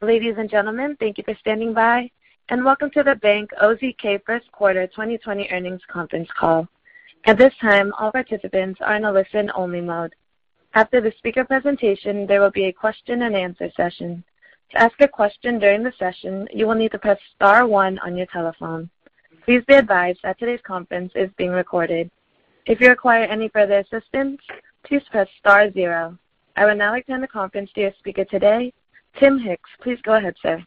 Ladies and gentlemen, thank you for standing by, and welcome to the Bank OZK First Quarter 2020 Earnings Conference Call. At this time, all participants are in a listen-only mode. After the speaker presentation, there will be a question-and-answer session. To ask a question during the session, you will need to press star one on your telephone. Please be advised that today's conference is being recorded. If you require any further assistance, please press star zero. I will now hand the conference to your speaker today, Tim Hicks. Please go ahead, sir.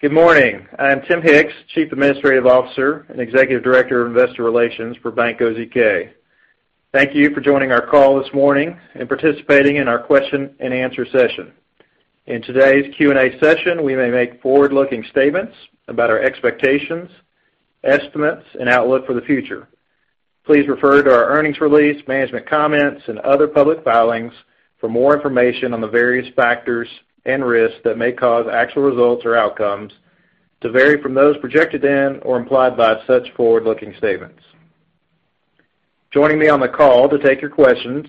Good morning. I am Tim Hicks, Chief Administrative Officer and Executive Director of Investor Relations for Bank OZK. Thank you for joining our call this morning and participating in our question-and-answer session. In today's Q&A session, we may make forward-looking statements about our expectations, estimates, and outlook for the future. Please refer to our earnings release, management comments, and other public filings for more information on the various factors and risks that may cause actual results or outcomes to vary from those projected in or implied by such forward-looking statements. Joining me on the call to take your questions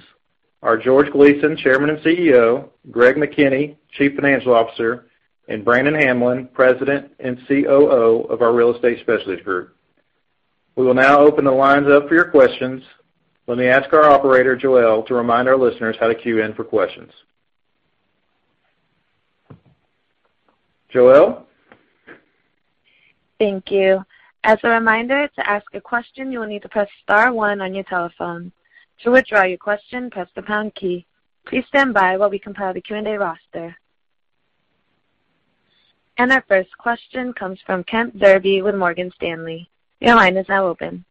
are George Gleason, Chairman and CEO, Greg McKinney, Chief Financial Officer, and Brannon Hamblen, President and COO of our Real Estate Specialist Group. We will now open the lines up for your questions. Let me ask our operator, Joelle, to remind our listeners how to queue in for questions. Joelle? Thank you. As a reminder, to ask a question, you will need to press star one on your telephone. To withdraw your question, press the pound key. Please stand by while we compile the Q&A roster. Our first question comes from Ken Zerbe with Morgan Stanley. Your line is now open.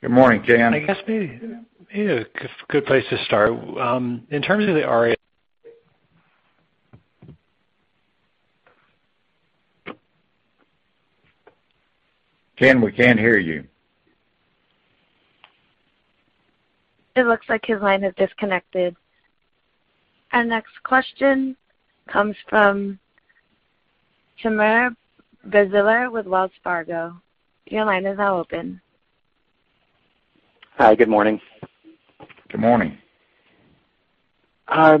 Good morning, Ken. I guess maybe a good place to start. In terms of the- Ken, we can't hear you. It looks like his line is disconnected. Our next question comes from Timur Braziler with Wells Fargo. Your line is now open. Hi. Good morning. Good morning.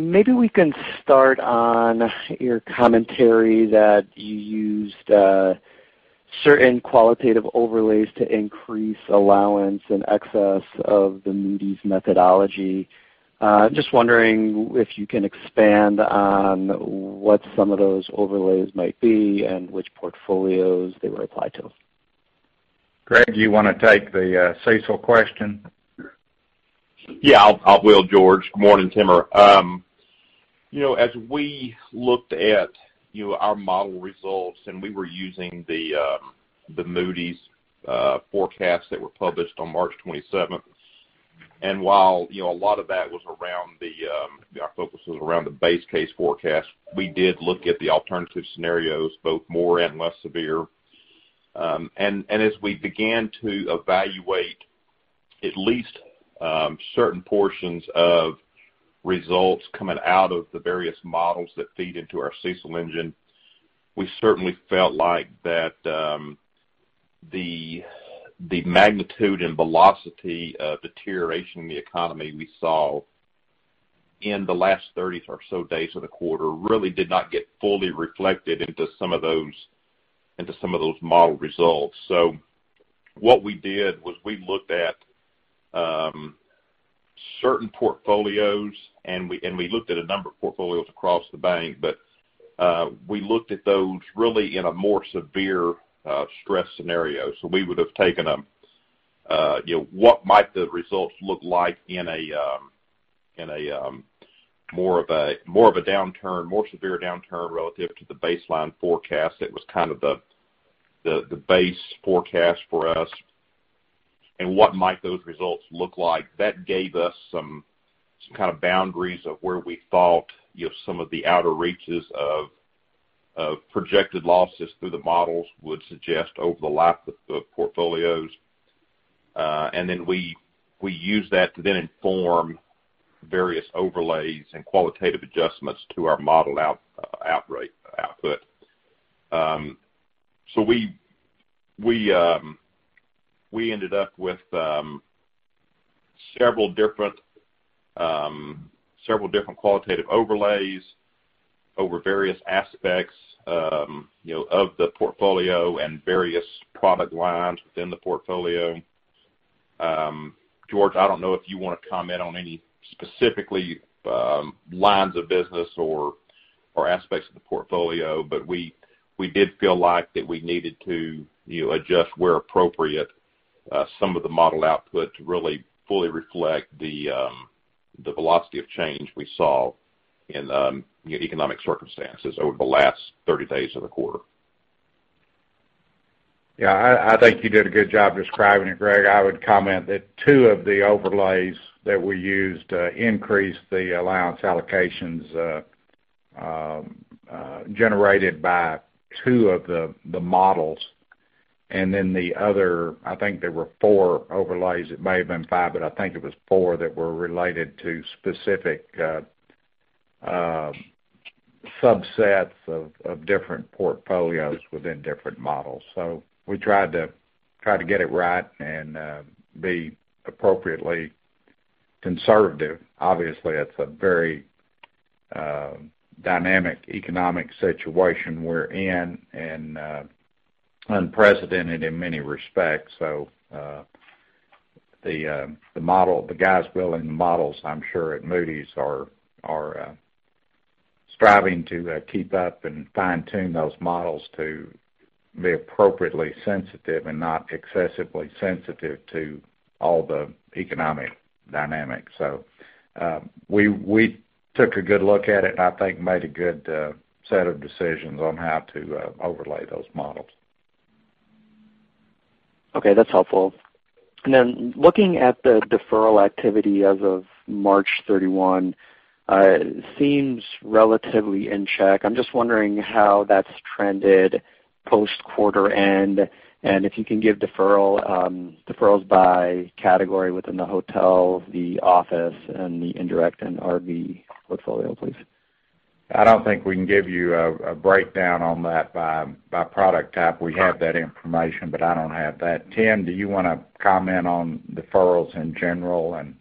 Maybe we can start on your commentary that you used certain qualitative overlays to increase allowance in excess of the Moody's methodology. Just wondering if you can expand on what some of those overlays might be and which portfolios they were applied to. Greg, do you want to take the CECL question? Yeah, I will, George. Good morning, Timur. As we looked at our model results and we were using the Moody's forecasts that were published on March 27th, and while a lot of that around the, our focus was around the base case forecast, we did look at the alternative scenarios, both more and less severe. As we began to evaluate at least certain portions of results coming out of the various models that feed into our CECL engine, we certainly felt like that the magnitude and velocity of deterioration in the economy we saw in the last 30 or so days of the quarter really did not get fully reflected into some of those model results. What we did was we looked at certain portfolios, and we looked at a number of portfolios across the bank. We looked at those really in a more severe stress scenario. We would've taken them, what might the results look like in more of a downturn, more severe downturn relative to the baseline forecast that was kind of the base forecast for us, and what might those results look like? That gave us some kind of boundaries of where we thought some of the outer reaches of projected losses through the models would suggest over the life of portfolios. Then we used that to then inform various overlays and qualitative adjustments to our model output. We ended up with several different qualitative overlays over various aspects of the portfolio and various product lines within the portfolio. George, I don't know if you want to comment on any specifically lines of business or aspects of the portfolio, but we did feel like that we needed to adjust where appropriate some of the model output to really fully reflect the velocity of change we saw in economic circumstances over the last 30 days of the quarter. Yeah, I think you did a good job describing it, Greg. I would comment that two of the overlays that we used increased the allowance allocations generated by two of the models. The other, I think there were four overlays, it may have been five, but I think it was four that were related to specific subsets of different portfolios within different models. We tried to get it right and be appropriately conservative. Obviously, it's a very dynamic economic situation we're in and unprecedented in many respects. The guys building the models, I'm sure at Moody's, are striving to keep up and fine-tune those models to be appropriately sensitive and not excessively sensitive to all the economic dynamics. We took a good look at it and I think made a good set of decisions on how to overlay those models. Okay, that's helpful. Looking at the deferral activity as of March 31, it seems relatively in check. I'm just wondering how that's trended post-quarter end, and if you can give deferrals by category within the hotel, the office, and the indirect and RV portfolio, please. I don't think we can give you a breakdown on that by product type. We have that information, but I don't have that. Tim, do you want to comment on deferrals in general and?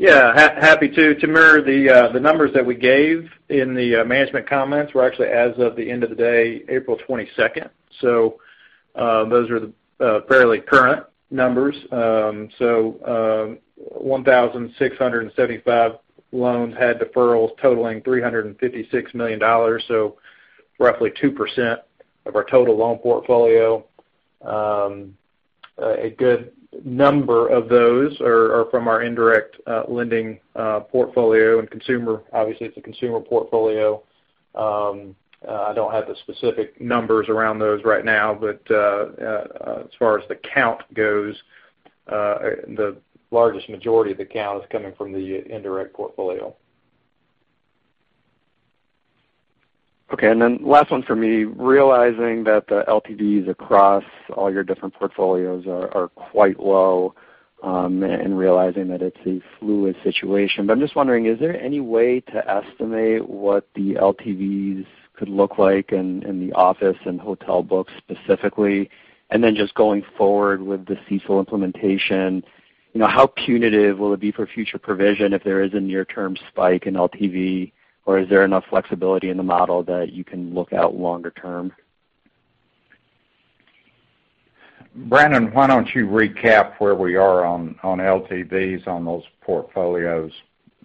Happy to. Timur, the numbers that we gave in the management comments were actually as of the end of the day, April 22nd. Those are the fairly current numbers. 1,675 loans had deferrals totaling $356 million, so roughly 2% of our total loan portfolio. A good number of those are from our indirect lending portfolio and consumer. Obviously, it's a consumer portfolio. I don't have the specific numbers around those right now, but as far as the count goes, the largest majority of the count is coming from the indirect portfolio. Okay, last one for me. Realizing that the LTVs across all your different portfolios are quite low, and realizing that it's a fluid situation. I'm just wondering, is there any way to estimate what the LTVs could look like in the office and hotel books specifically? Just going forward with the CECL implementation, how punitive will it be for future provision if there is a near-term spike in LTV, or is there enough flexibility in the model that you can look out longer term? Brannon, why don't you recap where we are on LTVs on those portfolios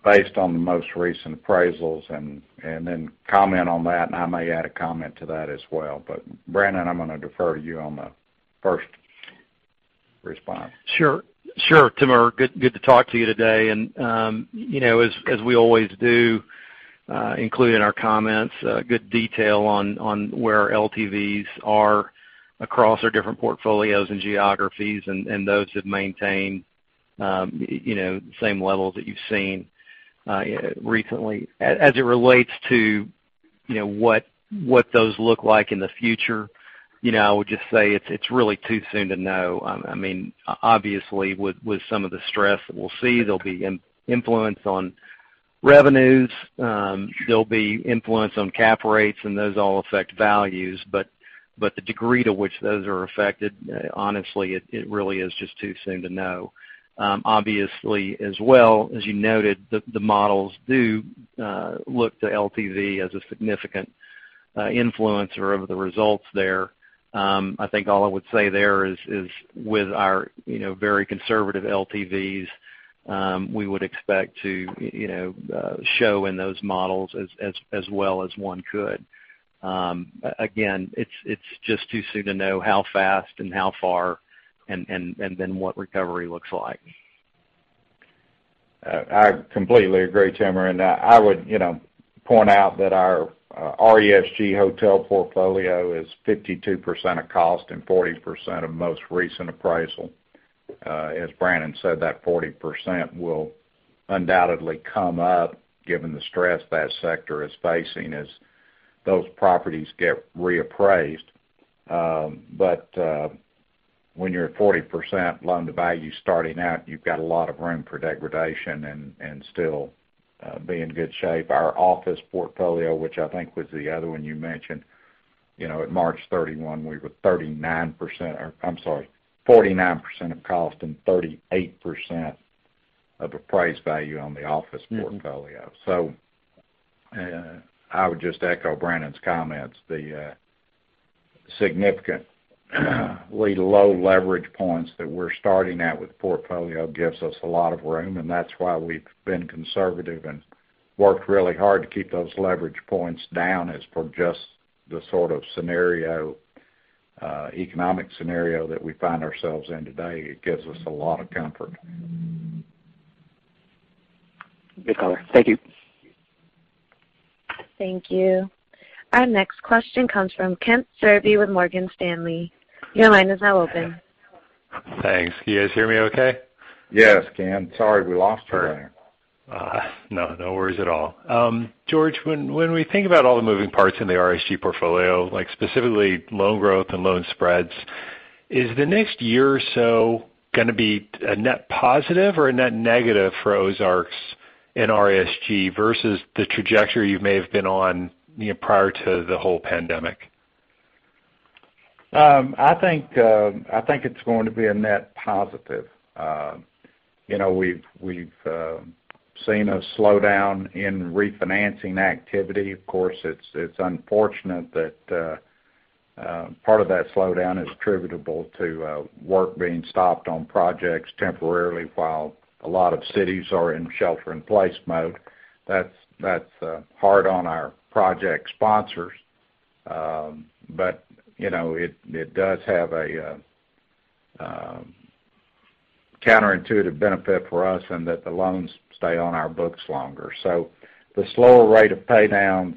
based on the most recent appraisals, and then comment on that, and I may add a comment to that as well. Brannon, I'm going to defer to you on the first response. Sure. Timur, good to talk to you today. As we always do, including our comments, good detail on where our LTVs are across our different portfolios and geographies, and those have maintained the same levels that you've seen recently. As it relates to what those look like in the future, I would just say it's really too soon to know. Obviously, with some of the stress that we'll see, there'll be influence on revenues, there'll be influence on cap rates, and those all affect values. The degree to which those are affected, honestly, it really is just too soon to know. Obviously, as well, as you noted, the models do look to LTV as a significant influencer of the results there. I think all I would say there is with our very conservative LTVs, we would expect to show in those models as well as one could. Again, it's just too soon to know how fast and how far, and then what recovery looks like. I completely agree, Timur, and I would point out that our RESG hotel portfolio is 52% of cost and 40% of most recent appraisal. As Brannon said, that 40% will undoubtedly come up given the stress that sector is facing as those properties get reappraised. When you're at 40% loan-to-value starting out, you've got a lot of room for degradation and still be in good shape. Our office portfolio, which I think was the other one you mentioned, at March 31, we were 39%, or I'm sorry, 49% of cost and 38% of appraised value on the office portfolio. I would just echo Brannon's comments. The significantly low leverage points that we're starting at with the portfolio gives us a lot of room, and that's why we've been conservative and worked really hard to keep those leverage points down as per just the sort of economic scenario that we find ourselves in today. It gives us a lot of comfort. Good color. Thank you. Thank you. Our next question comes from Ken Zerbe with Morgan Stanley. Your line is now open. Thanks. Can you guys hear me okay? Yes, Ken. Sorry, we lost you there. No worries at all. George, when we think about all the moving parts in the RESG portfolio, like specifically loan growth and loan spreads, is the next year or so going to be a net positive or a net negative for Ozarks in RESG versus the trajectory you may have been on prior to the whole pandemic? I think it's going to be a net positive. We've seen a slowdown in refinancing activity. Of course, it's unfortunate that part of that slowdown is attributable to work being stopped on projects temporarily while a lot of cities are in shelter-in-place mode. That's hard on our project sponsors. It does have a counterintuitive benefit for us in that the loans stay on our books longer. The slower rate of pay-downs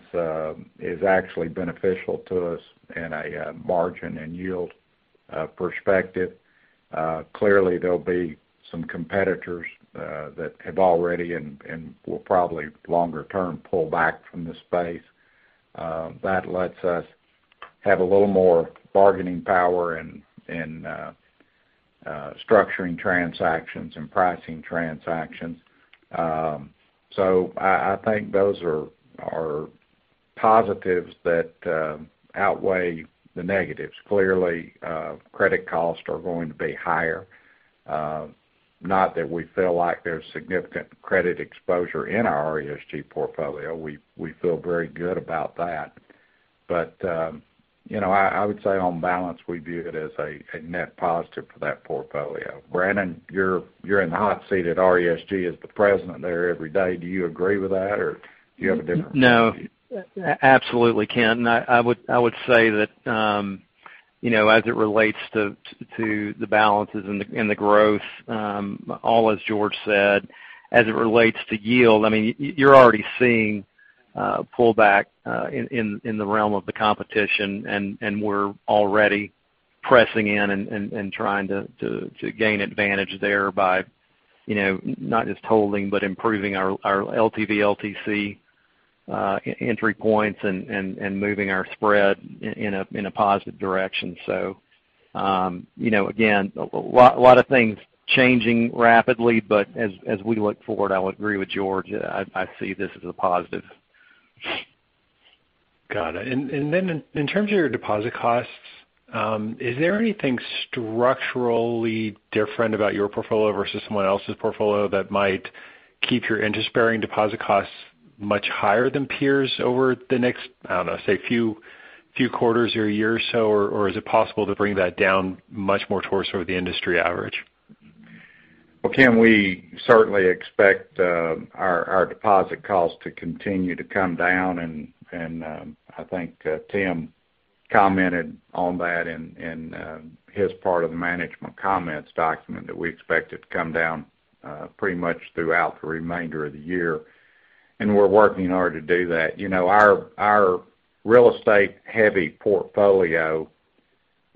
is actually beneficial to us in a margin and yield perspective. Clearly, there'll be some competitors that have already, and will probably longer term, pull back from the space. That lets us have a little more bargaining power in structuring transactions and pricing transactions. I think those are positives that outweigh the negatives. Clearly, credit costs are going to be higher. Not that we feel like there's significant credit exposure in our RESG portfolio. We feel very good about that. I would say on balance, we view it as a net positive for that portfolio. Brannon, you're in the hot seat at RESG as the President there every day. Do you agree with that, or do you have a different view? No. Absolutely, Ken. I would say that as it relates to the balances and the growth, all as George said. As it relates to yield, you're already seeing a pullback in the realm of the competition, and we're already pressing in and trying to gain advantage there by not just holding, but improving our LTV, LTC entry points and moving our spread in a positive direction. Again, a lot of things changing rapidly, but as we look forward, I would agree with George, I see this as a positive. Got it. In terms of your deposit costs, is there anything structurally different about your portfolio versus someone else's portfolio that might keep your interest-bearing deposit costs much higher than peers over the next, I don't know, say few quarters or a year or so? Is it possible to bring that down much more towards sort of the industry average? Well, Ken, we certainly expect our deposit costs to continue to come down. I think Tim commented on that in his part of the management comments document, that we expect it to come down pretty much throughout the remainder of the year. We're working hard to do that. Our real estate-heavy portfolio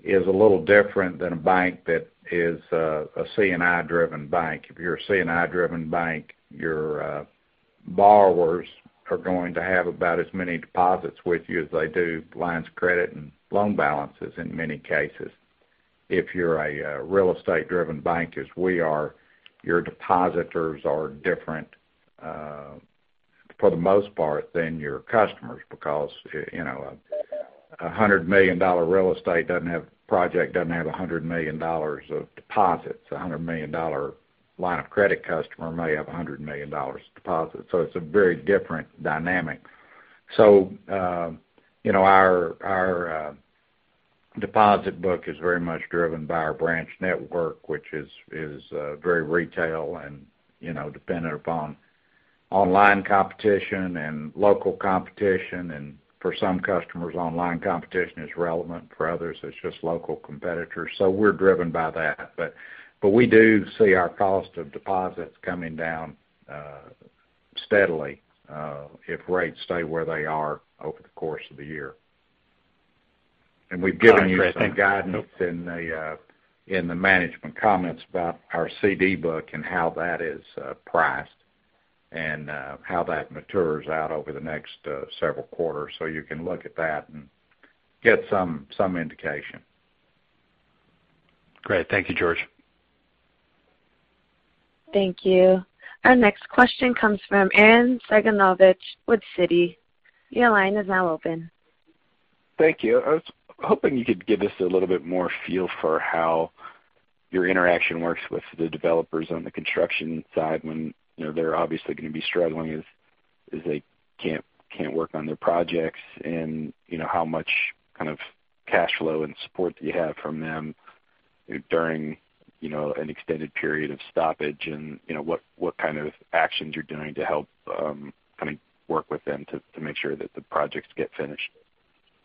is a little different than a bank that is a C&I-driven bank. If you're a C&I-driven bank, your borrowers are going to have about as many deposits with you as they do lines of credit and loan balances, in many cases. If you're a real estate-driven bank as we are, your depositors are different, for the most part, than your customers because a $100 million real estate project doesn't have $100 million of deposits. A $100 million line of credit customer may have $100 million of deposits. It's a very different dynamic. Our deposit book is very much driven by our branch network, which is very retail and dependent upon online competition and local competition. For some customers, online competition is relevant. For others, it's just local competitors. We're driven by that. We do see our cost of deposits coming down steadily if rates stay where they are over the course of the year. We've given you some guidance in the management comments about our CD book and how that is priced and how that matures out over the next several quarters. You can look at that and get some indication. Great. Thank you, George. Thank you. Our next question comes from Arren Cyganovich with Citi. Your line is now open. Thank you. I was hoping you could give us a little bit more feel for how your interaction works with the developers on the construction side when they're obviously going to be struggling as they can't work on their projects. How much kind of cash flow and support do you have from them during an extended period of stoppage, and what kind of actions you're doing to help kind of work with them to make sure that the projects get finished?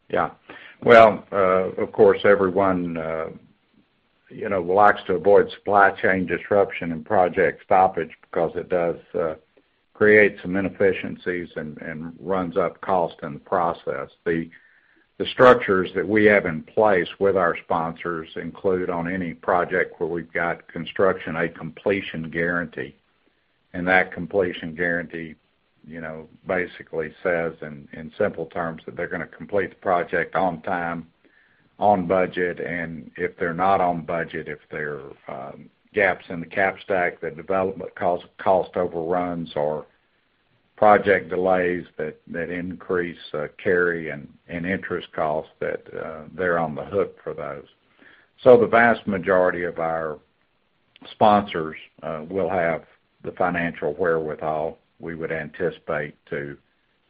Yeah. Well, of course, everyone likes to avoid supply chain disruption and project stoppage because it does create some inefficiencies and runs up cost in the process. The structures that we have in place with our sponsors include, on any project where we've got construction, a completion guarantee. That completion guarantee basically says in simple terms, that they're going to complete the project on time, on budget. If they're not on budget, if there are gaps in the cap stack, the development cost overruns or project delays that increase carry and interest costs, that they're on the hook for those. The vast majority of our sponsors will have the financial wherewithal, we would anticipate,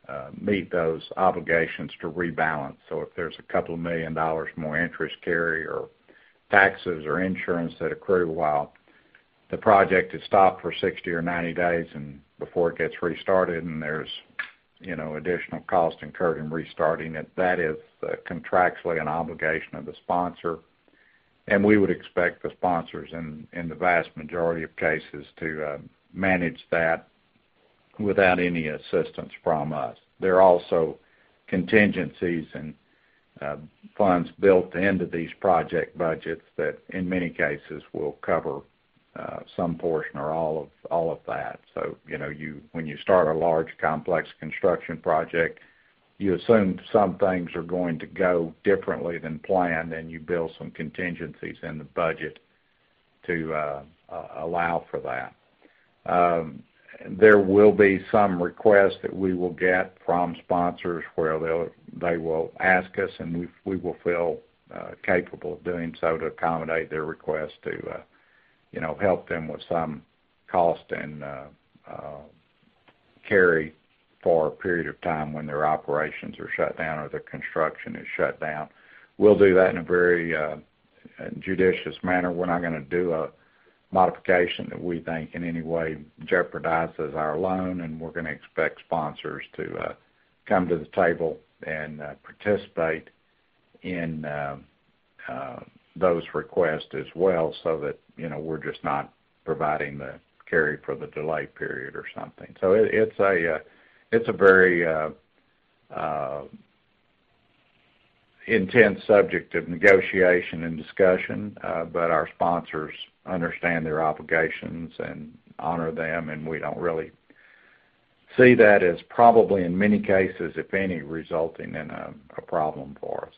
to meet those obligations to rebalance. If there's a couple million dollars more interest carry or taxes or insurance that accrue while the project is stopped for 60 or 90 days, and before it gets restarted, and there's additional cost incurred in restarting it, that is contractually an obligation of the sponsor. We would expect the sponsors in the vast majority of cases, to manage that without any assistance from us. There are also contingencies and funds built into these project budgets that, in many cases, will cover some portion or all of that. When you start a large, complex construction project, you assume some things are going to go differently than planned, and you build some contingencies in the budget to allow for that. There will be some requests that we will get from sponsors where they will ask us, and we will feel capable of doing so to accommodate their request to help them with some cost and carry for a period of time when their operations are shut down or their construction is shut down. We'll do that in a very judicious manner. We're not going to do a modification that we think in any way jeopardizes our loan, and we're going to expect sponsors to come to the table and participate in those requests as well, so that we're just not providing the carry for the delay period or something. It's a very intense subject of negotiation and discussion. Our sponsors understand their obligations and honor them, and we don't really see that as probably in many cases, if any, resulting in a problem for us.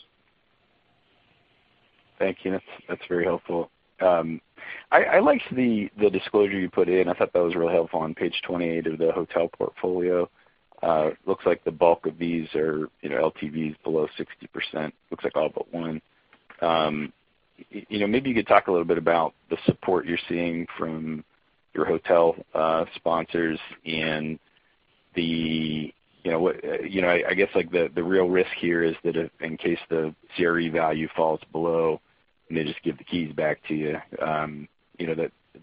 Thank you. That's very helpful. I liked the disclosure you put in. I thought that was real helpful. On page 28 of the hotel portfolio, looks like the bulk of these are LTVs below 60%. Looks like all but one. Maybe you could talk a little bit about the support you're seeing from your hotel sponsors and the, I guess, the real risk here is that if in case the CRE value falls below and they just give the keys back to you.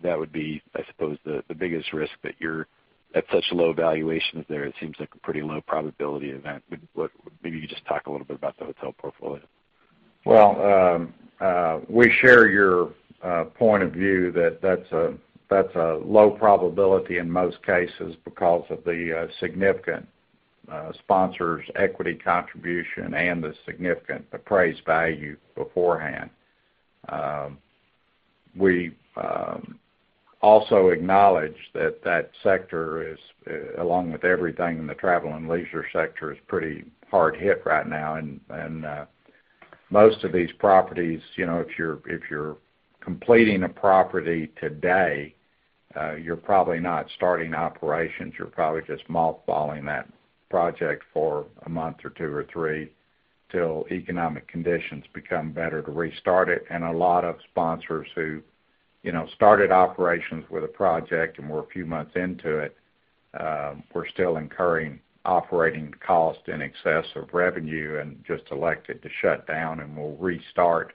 That would be, I suppose, the biggest risk that you're at such low valuations there, it seems like a pretty low probability event. Maybe you could just talk a little bit about the hotel portfolio. Well, we share your point of view that that's a low probability in most cases because of the significant sponsors' equity contribution and the significant appraised value beforehand. We also acknowledge that that sector is, along with everything in the travel and leisure sector, is pretty hard hit right now. Most of these properties, if you're completing a property today, you're probably not starting operations. You're probably just mothballing that project for a month or two or three till economic conditions become better to restart it. A lot of sponsors who started operations with a project and were a few months into it, were still incurring operating cost in excess of revenue and just elected to shut down and will restart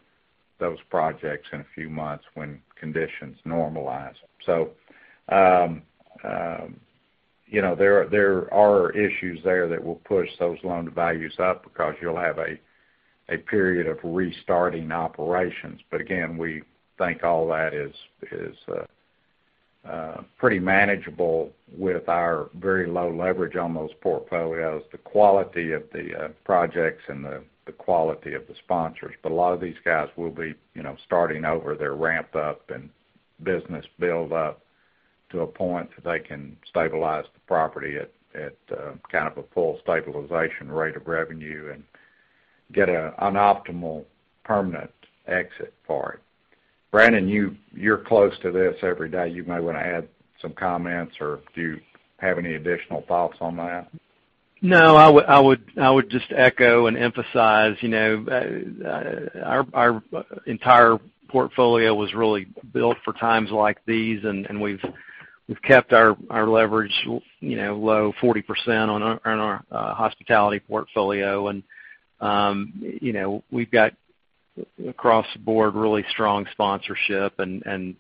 those projects in a few months when conditions normalize. There are issues there that will push those loan values up because you'll have a period of restarting operations. Again, we think all that is pretty manageable with our very low leverage on those portfolios, the quality of the projects, and the quality of the sponsors. A lot of these guys will be starting over their ramp-up and business build-up to a point that they can stabilize the property at kind of a full stabilization rate of revenue and get an optimal permanent exit for it. Brannon, you're close to this every day. You may want to add some comments, or do you have any additional thoughts on that? No, I would just echo and emphasize. Our entire portfolio was really built for times like these, and we've kept our leverage low, 40% on our hospitality portfolio. We've got, across the board, really strong sponsorship, and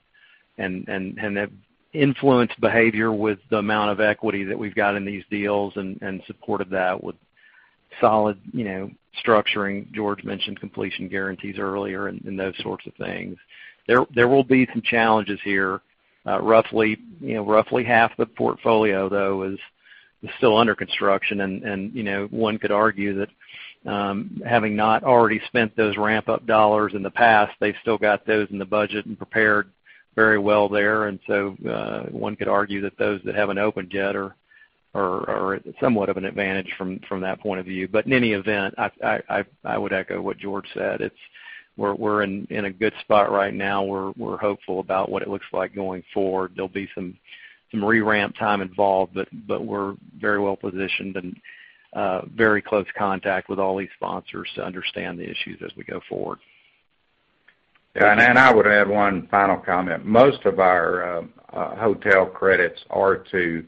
have influenced behavior with the amount of equity that we've got in these deals and supported that with solid structuring. George mentioned completion guarantees earlier and those sorts of things. There will be some challenges here. Roughly half the portfolio, though, is still under construction. One could argue that having not already spent those ramp-up dollars in the past, they've still got those in the budget and prepared very well there. One could argue that those that haven't opened yet are at somewhat of an advantage from that point of view. In any event, I would echo what George said. We're in a good spot right now. We're hopeful about what it looks like going forward. There'll be some re-ramp time involved, but we're very well-positioned and very close contact with all these sponsors to understand the issues as we go forward. I would add one final comment. Most of our hotel credits are to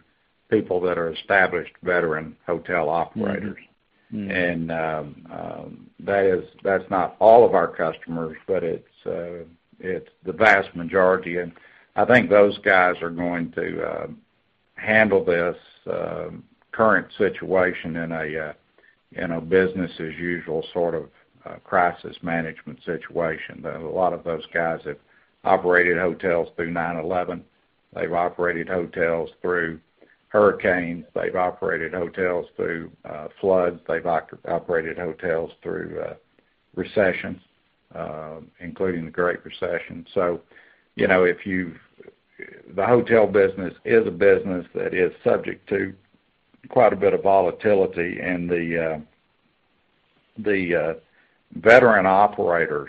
people that are established veteran hotel operators. That's not all of our customers, but it's the vast majority. I think those guys are going to handle this current situation in a business as usual sort of crisis management situation. A lot of those guys have operated hotels through 9/11. They've operated hotels through hurricanes. They've operated hotels through floods. They've operated hotels through recessions, including the Great Recession. The hotel business is a business that is subject to quite a bit of volatility, and the veteran operators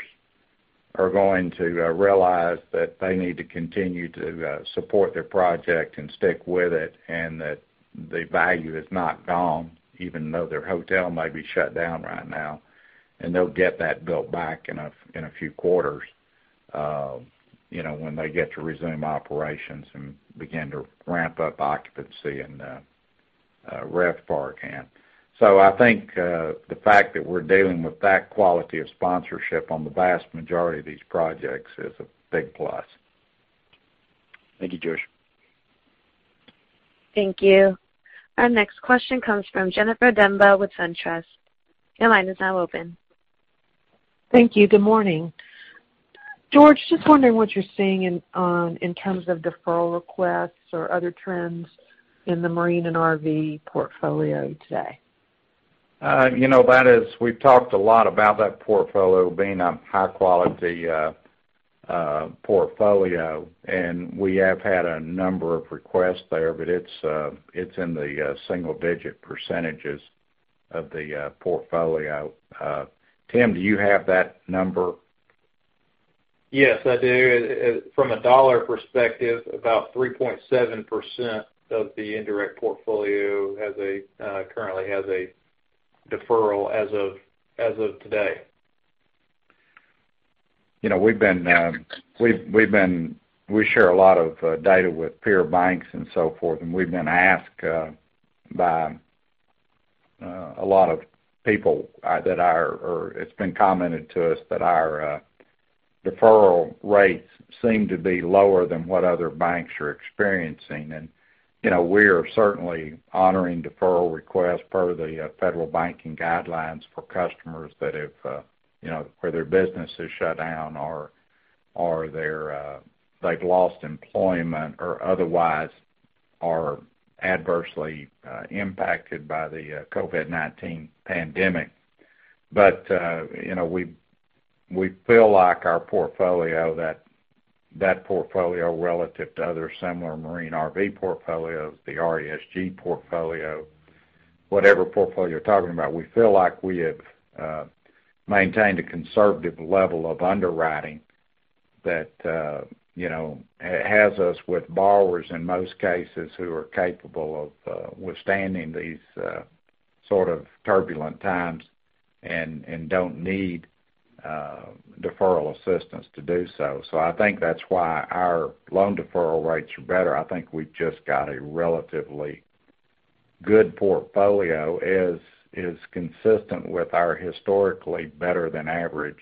are going to realize that they need to continue to support their project and stick with it, and that the value is not gone, even though their hotel may be shut down right now. They'll get that built back in a few quarters, when they get to resume operations and begin to ramp up occupancy and RevPAR again. I think, the fact that we're dealing with that quality of sponsorship on the vast majority of these projects is a big plus. Thank you, George. Thank you. Our next question comes from Jennifer Demba with SunTrust. Your line is now open. Thank you. Good morning. George, just wondering what you're seeing in terms of deferral requests or other trends in the marine and RV portfolio today? We've talked a lot about that portfolio being a high-quality portfolio, and we have had a number of requests there, but it's in the single-digit percentages of the portfolio. Tim, do you have that number? Yes, I do. From a dollar perspective, about 3.7% of the indirect portfolio currently has a deferral as of today. We share a lot of data with peer banks and so forth. We've been asked by a lot of people, or it's been commented to us that our deferral rates seem to be lower than what other banks are experiencing. We are certainly honoring deferral requests per the federal banking guidelines for customers where their business is shut down, or they've lost employment, or otherwise are adversely impacted by the COVID-19 pandemic. We feel like our portfolio, that portfolio relative to other similar marine RV portfolios, the RESG portfolio, whatever portfolio you're talking about, we feel like we have maintained a conservative level of underwriting that has us with borrowers in most cases who are capable of withstanding these sort of turbulent times and don't need deferral assistance to do so. I think that's why our loan deferral rates are better. I think we've just got a relatively good portfolio, as is consistent with our historically better than average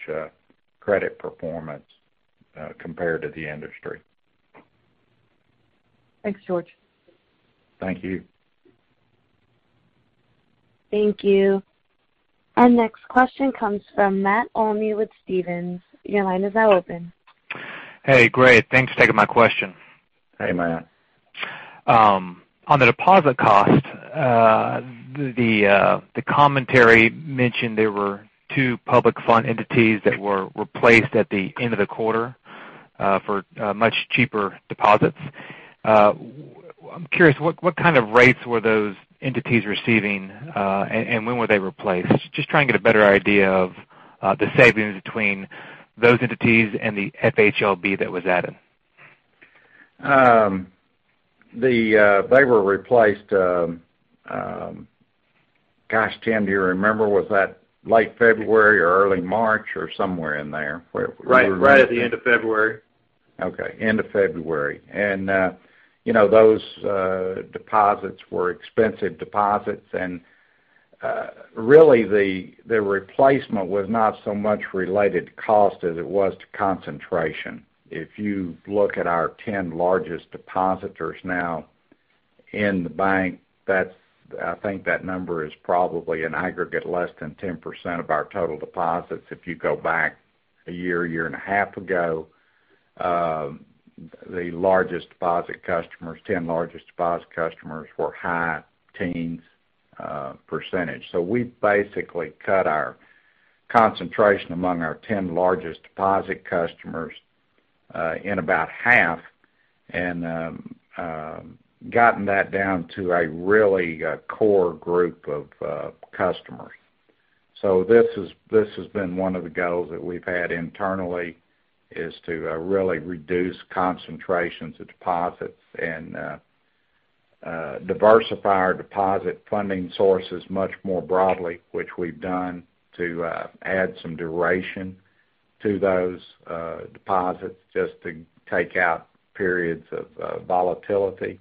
credit performance compared to the industry. Thanks, George. Thank you. Thank you. Our next question comes from Matt Olney with Stephens. Your line is now open. Hey, great. Thanks for taking my question. Hey, Matt. On the deposit cost, the commentary mentioned there were two public fund entities that were replaced at the end of the quarter for much cheaper deposits. I'm curious, what kind of rates were those entities receiving, and when were they replaced? Just trying to get a better idea of the savings between those entities and the FHLB that was added. They were replaced, gosh, Tim, do you remember? Was that late February or early March or somewhere in there where we were looking? Right at the end of February. Okay, end of February. Those deposits were expensive deposits, and really, the replacement was not so much related to cost as it was to concentration. If you look at our 10 largest depositors now in the bank, I think that number is probably in aggregate less than 10% of our total deposits. If you go back a year, a year and a half ago, the largest deposit customers, 10 largest deposit customers were high teens percentage. We basically cut our concentration among our 10 largest deposit customers in about half and gotten that down to a really core group of customers. This has been one of the goals that we've had internally, is to really reduce concentrations of deposits and diversify our deposit funding sources much more broadly, which we've done to add some duration to those deposits just to take out periods of volatility.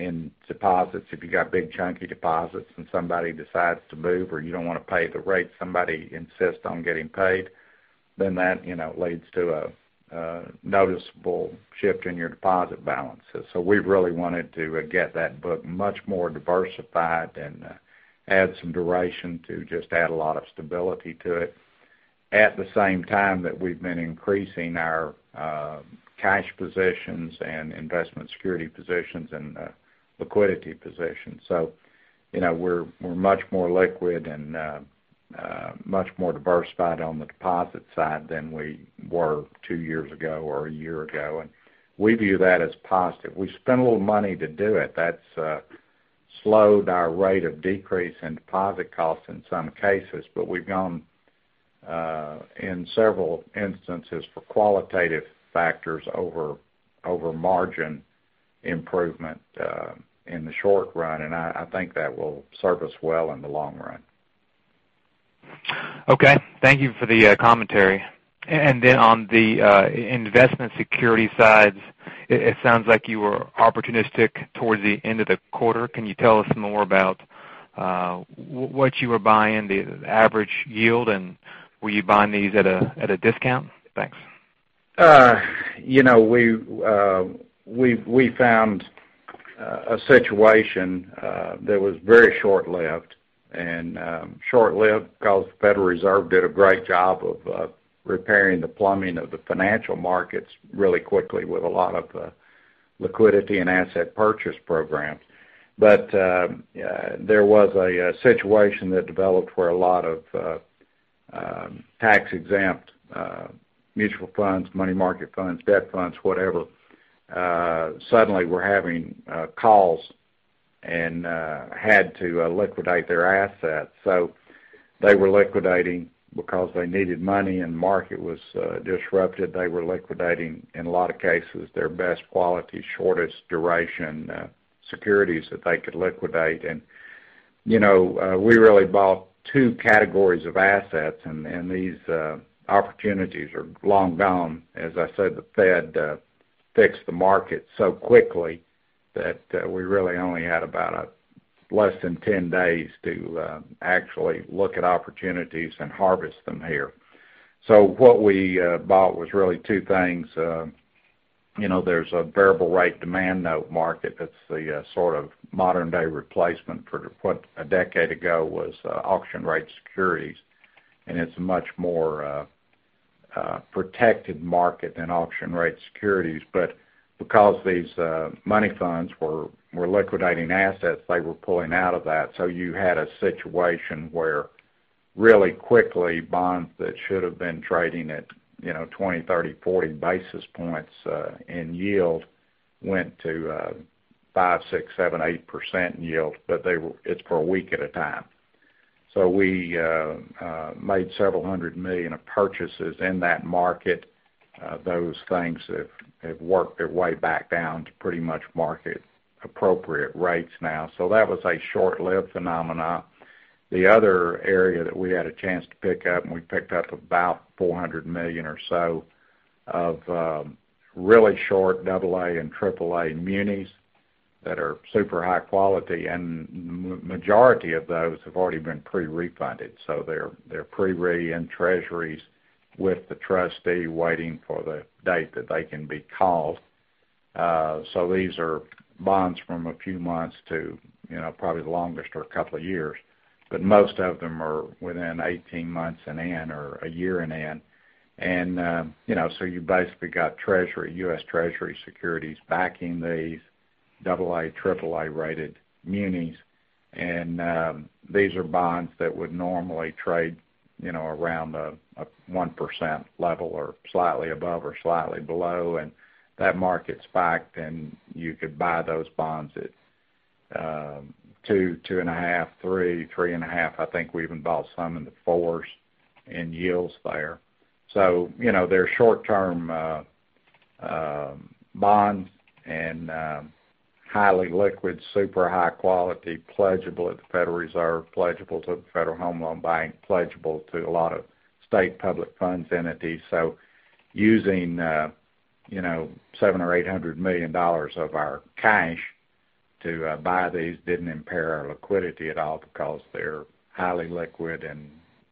In deposits, if you got big chunky deposits and somebody decides to move or you don't want to pay the rate somebody insists on getting paid, then that leads to a noticeable shift in your deposit balances. We really wanted to get that book much more diversified and add some duration to just add a lot of stability to it. At the same time that we've been increasing our cash positions and investment security positions and liquidity positions. We're much more liquid and much more diversified on the deposit side than we were two years ago or a year ago, and we view that as positive. We spent a little money to do it. That's slowed our rate of decrease in deposit costs in some cases, but we've gone in several instances for qualitative factors over margin improvement in the short run, and I think that will serve us well in the long run. Okay. Thank you for the commentary. On the investment security side, it sounds like you were opportunistic towards the end of the quarter. Can you tell us more about what you were buying, the average yield, and were you buying these at a discount? Thanks. We found a situation that was very short-lived, short-lived because the Federal Reserve did a great job of repairing the plumbing of the financial markets really quickly with a lot of liquidity and asset purchase programs. There was a situation that developed where a lot of tax-exempt mutual funds, money market funds, debt funds, whatever suddenly were having calls and had to liquidate their assets. They were liquidating because they needed money and market was disrupted. They were liquidating, in a lot of cases, their best quality, shortest duration securities that they could liquidate. We really bought two categories of assets, and these opportunities are long gone. As I said, the Fed fixed the market so quickly that we really only had about less than 10 days to actually look at opportunities and harvest them here. What we bought was really two things. There's a variable rate demand note market that's the sort of modern-day replacement for what a decade ago was auction-rate securities, and it's a much more protected market than auction-rate securities. Because these money funds were liquidating assets, they were pulling out of that. You had a situation where really quickly, bonds that should have been trading at 20, 30, 40 basis points in yield went to 5%, 6%, 7%, 8% in yield, but it's for a week at a time. We made several hundred million of purchases in that market. Those things have worked their way back down to pretty much market appropriate rates now. That was a short-lived phenomenon. The other area that we had a chance to pick up, and we picked up about $400 million or so of really short AA and AAA munis that are super high quality. Majority of those have already been pre-refunded. They're pre-re in Treasuries with the trustee waiting for the date that they can be called. These are bonds from a few months to probably the longest are a couple of years, but most of them are within 18 months in end or a year in end. You basically got treasury, U.S. Treasury securities backing these AA, AAA-rated munis. These are bonds that would normally trade around a 1% level or slightly above or slightly below, and that market spiked, and you could buy those bonds at 2%, 2.5%, 3%, 3.5%. I think we even bought some in the 4s in yields there. They're short-term bonds and highly liquid, super high quality, pledgeable at the Federal Reserve, pledgeable to the Federal Home Loan Banks, pledgeable to a lot of state public funds entities. Using $700 million or $800 million of our cash to buy these didn't impair our liquidity at all because they're highly liquid and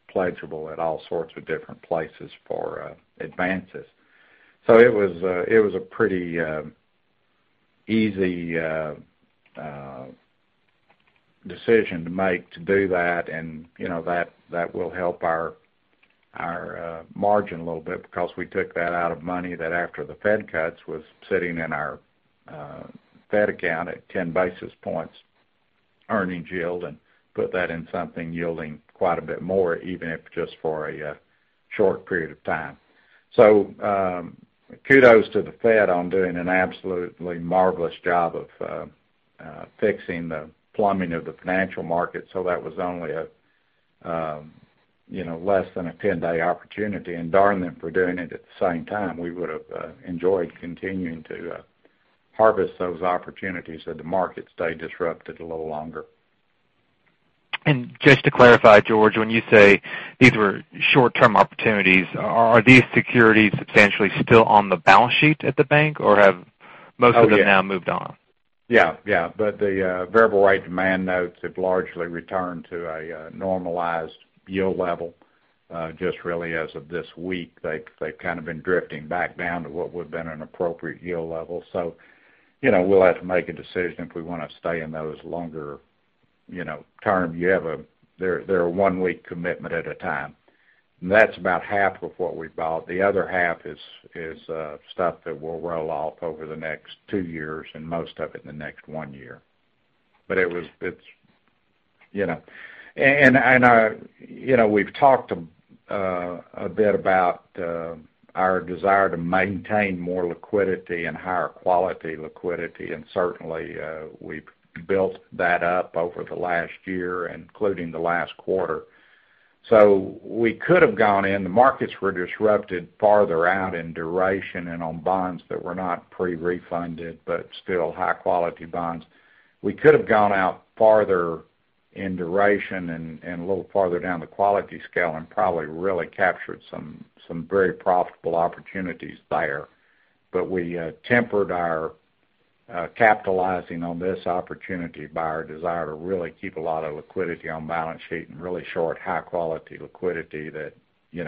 pledgeable at all sorts of different places for advances. It was a pretty easy decision to make to do that, and that will help our margin a little bit because we took that out of money that after the Fed cuts was sitting in our Fed account at 10 basis points earnings yield and put that in something yielding quite a bit more, even if just for a short period of time. Kudos to the Fed on doing an absolutely marvelous job of fixing the plumbing of the financial market so that was only less than a 10-day opportunity. Darn them for doing it at the same time. We would've enjoyed continuing to harvest those opportunities had the market stayed disrupted a little longer. Just to clarify, George, when you say these were short-term opportunities, are these securities substantially still on the balance sheet at the bank, or have most of them now moved on? Yeah. The variable rate demand notes have largely returned to a normalized yield level. Just really as of this week, they've kind of been drifting back down to what would've been an appropriate yield level. We'll have to make a decision if we want to stay in those longer term. They're a one-week commitment at a time, and that's about half of what we bought. The other half is stuff that will roll off over the next two years, and most of it in the next one year. We've talked a bit about our desire to maintain more liquidity and higher quality liquidity, and certainly, we've built that up over the last year, including the last quarter. We could have gone in. The markets were disrupted farther out in duration and on bonds that were not pre-refunded, but still high-quality bonds. We could have gone out farther in duration and a little farther down the quality scale and probably really captured some very profitable opportunities there. We tempered our capitalizing on this opportunity by our desire to really keep a lot of liquidity on balance sheet and really short, high-quality liquidity that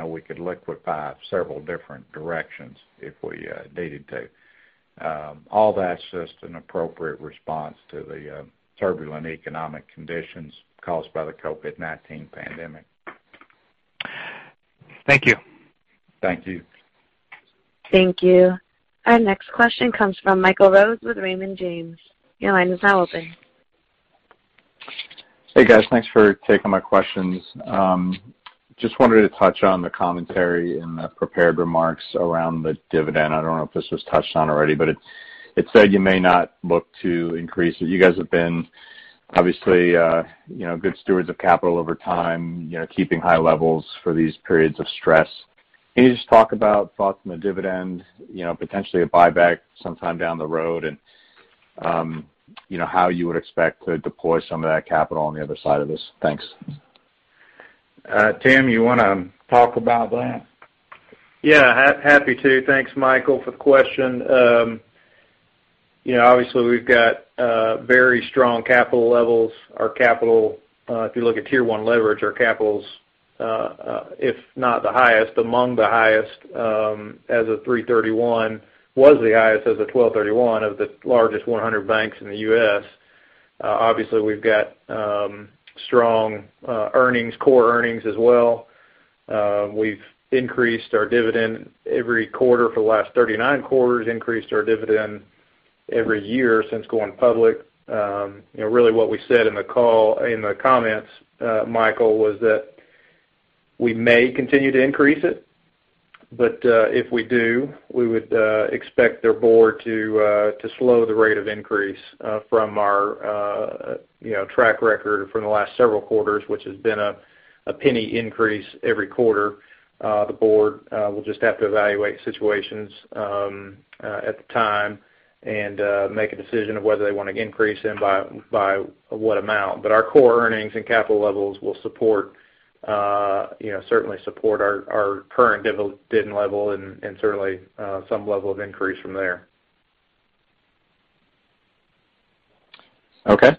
we could liquefy several different directions if we needed to. All that's just an appropriate response to the turbulent economic conditions caused by the COVID-19 pandemic. Thank you. Thank you. Thank you. Our next question comes from Michael Rose with Raymond James. Your line is now open. Hey, guys. Thanks for taking my questions. Just wanted to touch on the commentary in the prepared remarks around the dividend. I don't know if this was touched on already, but it said you may not look to increase it. You guys have been obviously good stewards of capital over time, keeping high levels for these periods of stress. Can you just talk about thoughts on the dividend, potentially a buyback sometime down the road, and how you would expect to deploy some of that capital on the other side of this? Thanks. Tim, you want to talk about that? Yeah. Happy to. Thanks, Michael, for the question. Obviously, we've got very strong capital levels. If you look at Tier 1 leverage, our capital's, if not the highest, among the highest, as of 3/31. Was the highest as of 12/31 of the largest 100 banks in the U.S. Obviously, we've got strong earnings, core earnings as well. We've increased our dividend every quarter for the last 39 quarters, increased our dividend every year since going public. Really what we said in the comments, Michael, was that we may continue to increase it, but if we do, we would expect their board to slow the rate of increase from our track record from the last several quarters, which has been a $0.01 increase every quarter. The board will just have to evaluate situations at the time and make a decision of whether they want to increase and by what amount. Our core earnings and capital levels will certainly support our current dividend level and certainly some level of increase from there. Okay.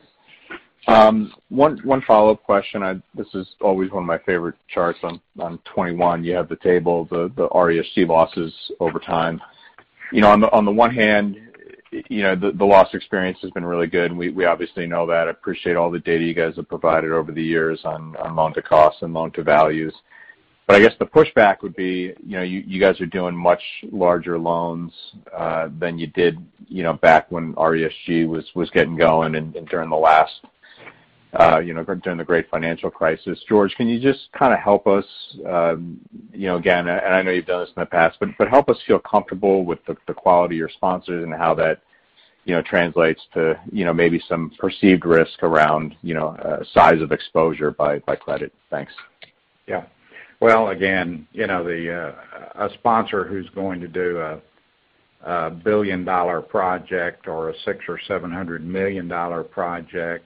One follow-up question. This is always one of my favorite charts. On 21, you have the table, the RESG losses over time. On the one hand, the loss experience has been really good, and we obviously know that. Appreciate all the data you guys have provided over the years on loan to cost and loan to values. I guess the pushback would be, you guys are doing much larger loans than you did back when RESG was getting going and during the Great Financial Crisis. George, can you just kind of help us, again, and I know you've done this in the past, but help us feel comfortable with the quality of your sponsors and how that translates to maybe some perceived risk around size of exposure by credit. Thanks. Yeah. Well, again, a sponsor who's going to do a billion-dollar project or a $600 million or $700 million project,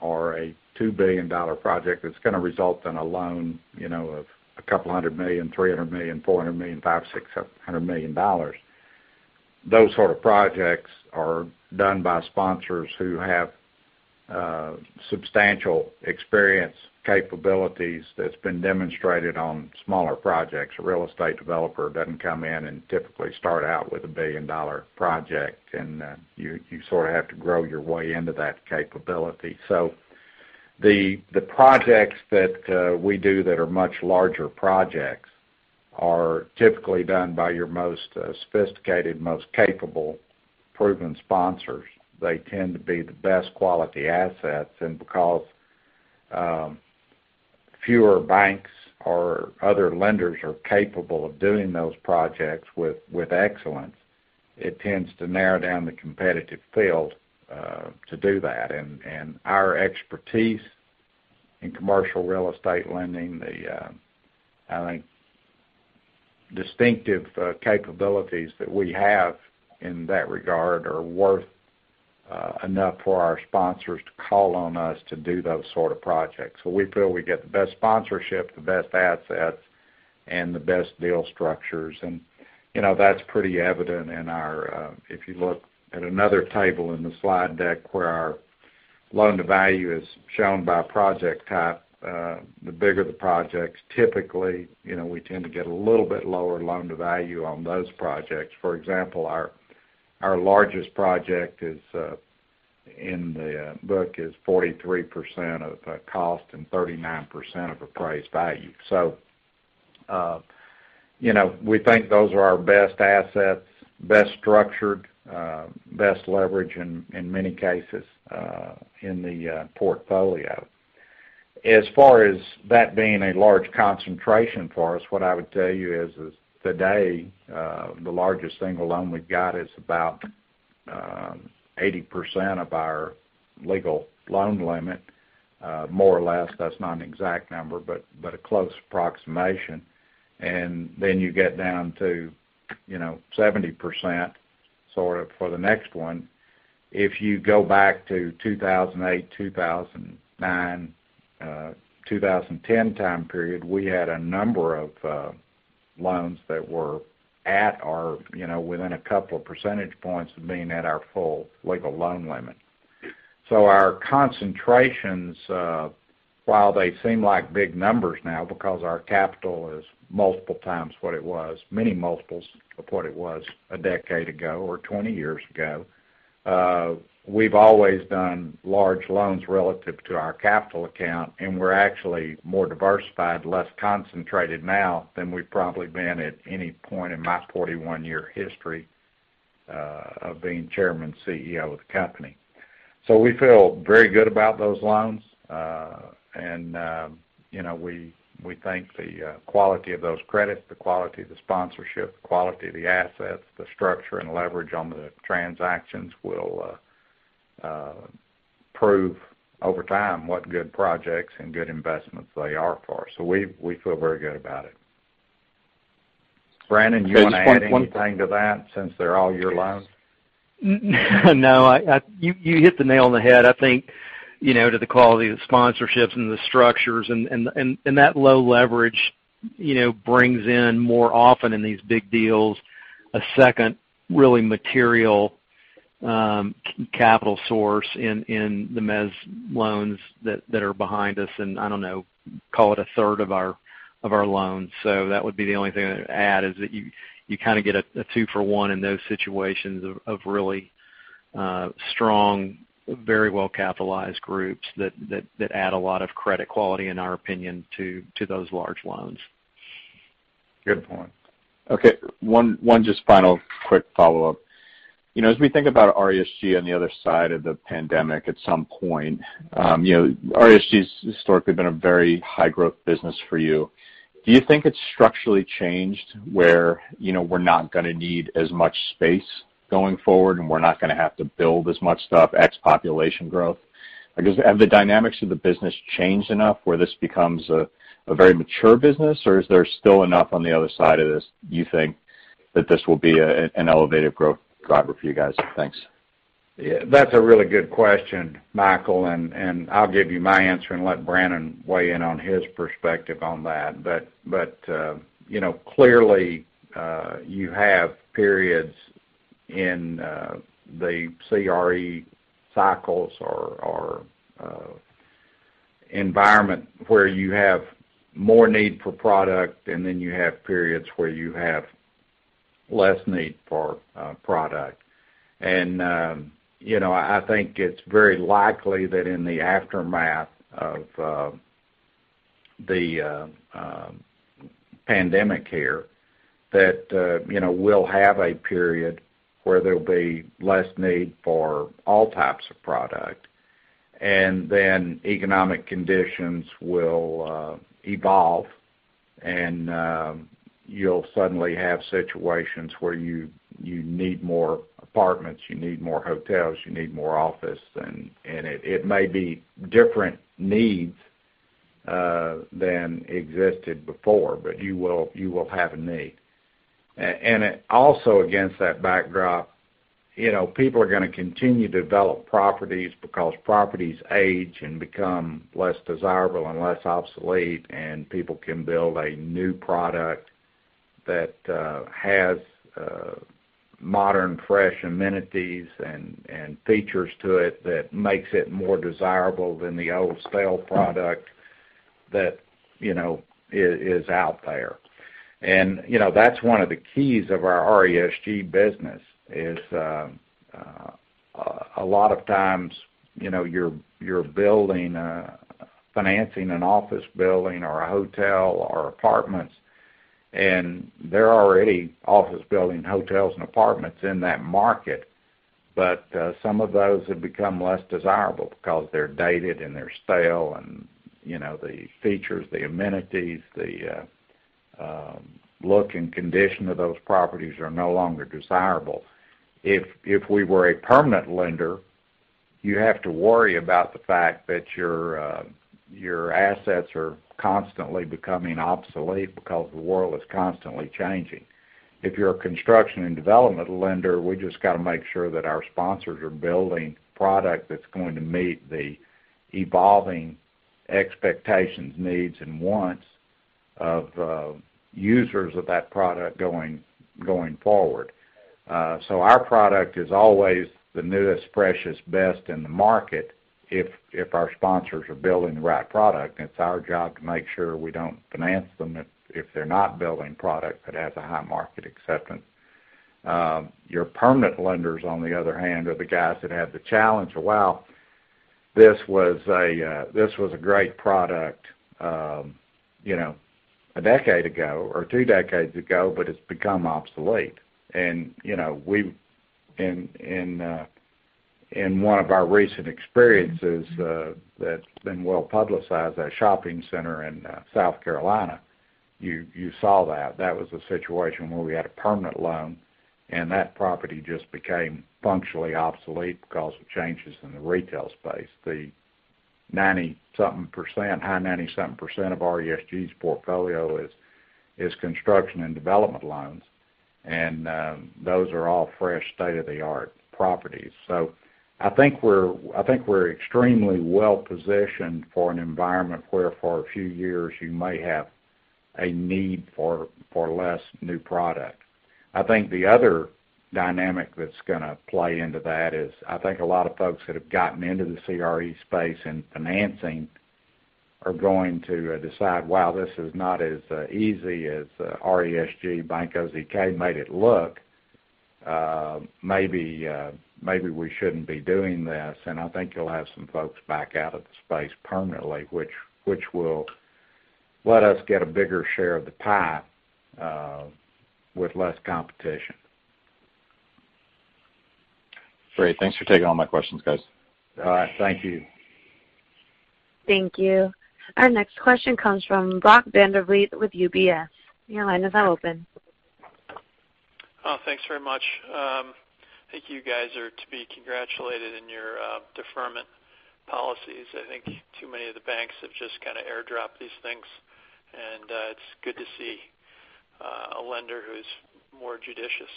or a $2 billion project that's going to result in a loan of a couple of hundred million, $300 million, $400 million, $500 million, $600 million, $700 million. Those sort of projects are done by sponsors who have substantial experience capabilities that's been demonstrated on smaller projects. A real estate developer doesn't come in and typically start out with a billion-dollar project, and you sort of have to grow your way into that capability. The projects that we do that are much larger projects are typically done by your most sophisticated, most capable, proven sponsors. They tend to be the best quality assets, and because fewer banks or other lenders are capable of doing those projects with excellence, it tends to narrow down the competitive field to do that. Our expertise in commercial real estate lending, the distinctive capabilities that we have in that regard, are worth enough for our sponsors to call on us to do those sort of projects. We feel we get the best sponsorship, the best assets, and the best deal structures. That's pretty evident in our, if you look at another table in the slide deck where our loan-to-value is shown by project type, the bigger the projects, typically, we tend to get a little bit lower loan-to-value on those projects. For example, our largest project in the book is 43% of cost and 39% of appraised value. We think those are our best assets, best structured, best leverage in many cases in the portfolio. As far as that being a large concentration for us, what I would tell you is is today, the largest single loan we've got is about 80% of our legal loan limit, more or less. That's not an exact number, but a close approximation. You get down to 70%, sort of, for the next one. If you go back to 2008, 2009, 2010 time period, we had a number of loans that were at or within a couple of percentage points of being at our full legal loan limit. Our concentrations, while they seem like big numbers now because our capital is multiple times what it was, many multiples of what it was a decade ago or 20 years ago, we've always done large loans relative to our capital account, and we're actually more diversified, less concentrated now than we've probably been at any point in my 41-year history of being Chairman and CEO of the company. We feel very good about those loans. We think the quality of those credits, the quality of the sponsorship, the quality of the assets, the structure and leverage on the transactions will prove over time what good projects and good investments they are for us. We feel very good about it. Brannon, do you want to add anything to that since they're all your loans? No. You hit the nail on the head, I think, to the quality of the sponsorships and the structures, and that low leverage brings in more often in these big deals a second really material capital source in the mezz loans that are behind us in, I don't know, call it 1/3 of our loans. That would be the only thing I'd add, is that you kind of get a two for one in those situations of really strong, very well-capitalized groups that add a lot of credit quality, in our opinion, to those large loans. Good point. Okay. One just final quick follow-up. As we think about RESG on the other side of the pandemic at some point, RESG's historically been a very high-growth business for you. Do you think it's structurally changed, where we're not going to need as much space going forward, and we're not going to have to build as much stuff X population growth? Have the dynamics of the business changed enough where this becomes a very mature business, or is there still enough on the other side of this you think that this will be an elevated growth driver for you guys? Thanks. That's a really good question, Michael, and I'll give you my answer and let Brannon weigh in on his perspective on that. Clearly, you have periods in the CRE cycles or environment where you have more need for product, then you have periods where you have less need for product. I think it's very likely that in the aftermath of the pandemic here that we'll have a period where there'll be less need for all types of product. Then economic conditions will evolve, and you'll suddenly have situations where you need more apartments, you need more hotels, you need more office. It may be different needs than existed before, but you will have a need. Also against that backdrop, people are going to continue to develop properties because properties age and become less desirable and less obsolete, and people can build a new product that has modern, fresh amenities and features to it that makes it more desirable than the old, stale product that is out there. That's one of the keys of our RESG business is, a lot of times, you're financing an office building or a hotel or apartments, and there are already office buildings, hotels, and apartments in that market. Some of those have become less desirable because they're dated and they're stale, and the features, the amenities, the look and condition of those properties are no longer desirable. If we were a permanent lender, you have to worry about the fact that your assets are constantly becoming obsolete because the world is constantly changing. If you're a construction and development lender, we just got to make sure that our sponsors are building product that's going to meet the evolving expectations, needs, and wants of users of that product going forward. Our product is always the newest, freshest, best in the market if our sponsors are building the right product. It's our job to make sure we don't finance them if they're not building product that has a high market acceptance. Your permanent lenders, on the other hand, are the guys that have the challenge of, well, this was a great product a decade ago or two decades ago, but it's become obsolete. In one of our recent experiences that's been well-publicized, that shopping center in South Carolina, you saw that. That was a situation where we had a permanent loan, and that property just became functionally obsolete because of changes in the retail space. The high 90-something percent of RESG's portfolio is construction and development loans. Those are all fresh, state-of-the-art properties. I think we're extremely well-positioned for an environment where for a few years you may have a need for less new product. I think the other dynamic that's going to play into that is, I think a lot of folks that have gotten into the CRE space and financing are going to decide, wow, this is not as easy as RESG, Bank OZK made it look. Maybe we shouldn't be doing this. I think you'll have some folks back out of the space permanently, which will let us get a bigger share of the pie with less competition. Great. Thanks for taking all my questions, guys. All right. Thank you. Thank you. Our next question comes from Brock Vandervliet with UBS. Your line is now open. Thanks very much. I think you guys are to be congratulated in your deferment policies. I think too many of the banks have just kind of airdropped these things, and it's good to see a lender who's more judicious.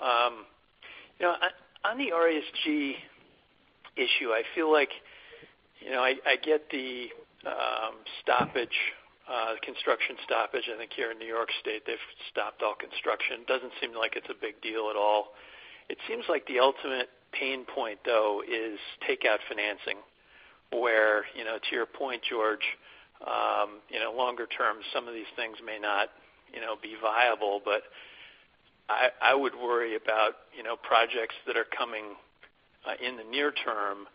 On the RESG issue, I feel like I get the construction stoppage. I think here in New York State, they've stopped all construction. Doesn't seem like it's a big deal at all. It seems like the ultimate pain point, though, is takeout financing, where, to your point, George, longer term, some of these things may not be viable. I would worry about projects that are coming in the near-term.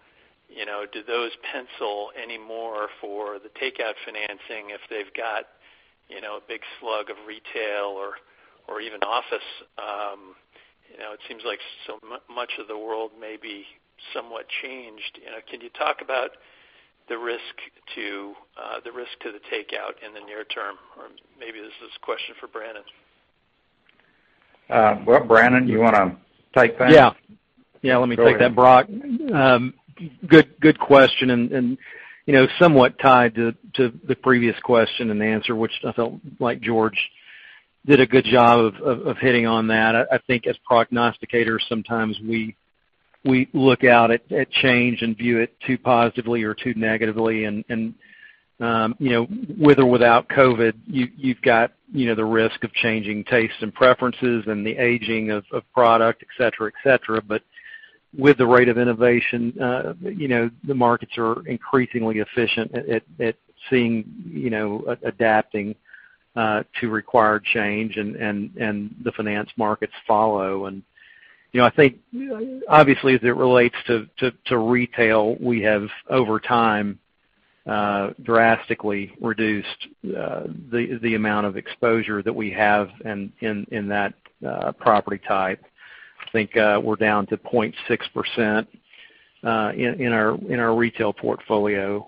Do those pencil any more for the takeout financing if they've got a big slug of retail or even office? It seems like so much of the world may be somewhat changed. Can you talk about the risk to the takeout in the near-term? Or maybe this is a question for Brannon. Well, Brannon, you want to take that? Yeah. Go ahead. Yeah, let me take that, Brock. Good question. Somewhat tied to the previous question and answer, which I felt like George did a good job of hitting on that. I think as prognosticators, sometimes we look out at change and view it too positively or too negatively. With or without COVID, you've got the risk of changing tastes and preferences and the aging of product, et cetera. With the rate of innovation, the markets are increasingly efficient at seeing, adapting to required change, and the finance markets follow. I think, obviously, as it relates to retail, we have, over time, drastically reduced the amount of exposure that we have in that property type. I think we're down to 0.6% in our retail portfolio.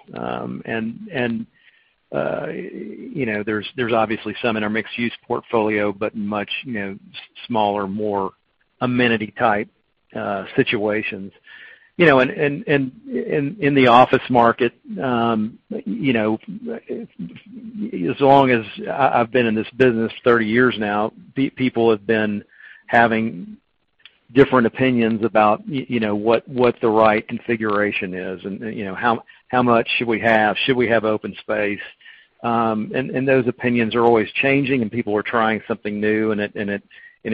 There's obviously some in our mixed-use portfolio, but much smaller, more amenity-type situations. In the office market, as long as I've been in this business, 30 years now, people have been having different opinions about what the right configuration is, and how much should we have? Should we have open space? Those opinions are always changing, and people are trying something new, and it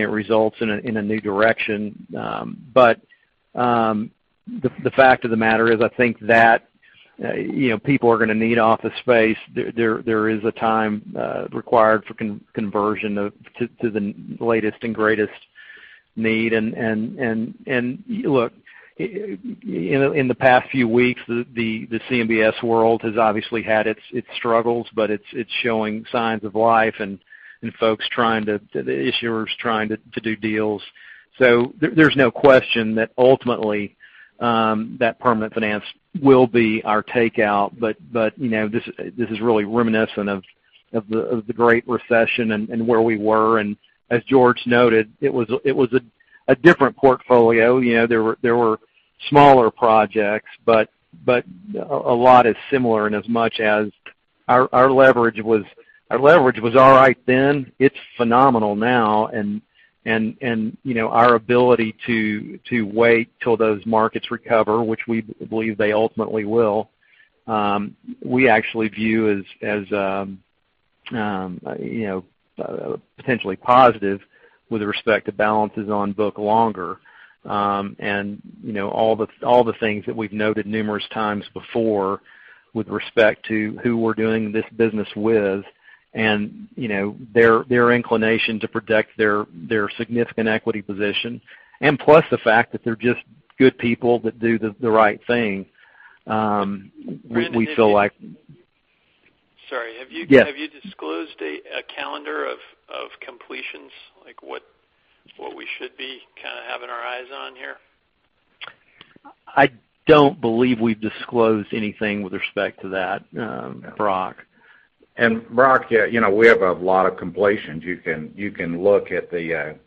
results in a new direction. The fact of the matter is, I think that people are going to need office space. There is a time required for conversion to the latest and greatest need. Look, in the past few weeks, the CMBS world has obviously had its struggles, but it's showing signs of life and issuers trying to do deals. There's no question that ultimately, that permanent finance will be our takeout. This is really reminiscent of the Great Recession and where we were. As George noted, it was a different portfolio. There were smaller projects, but a lot is similar in as much as our leverage was all right then. It's phenomenal now, and our ability to wait till those markets recover, which we believe they ultimately will. We actually view as potentially positive with respect to balances on book longer. All the things that we've noted numerous times before with respect to who we're doing this business with and their inclination to protect their significant equity position, and plus the fact that they're just good people that do the right thing. We feel like- Sorry. Yes. Have you disclosed a calendar of completions? Like what we should be kind of having our eyes on here? I don't believe we've disclosed anything with respect to that, Brock. Brock, we have a lot of completions. You can look at the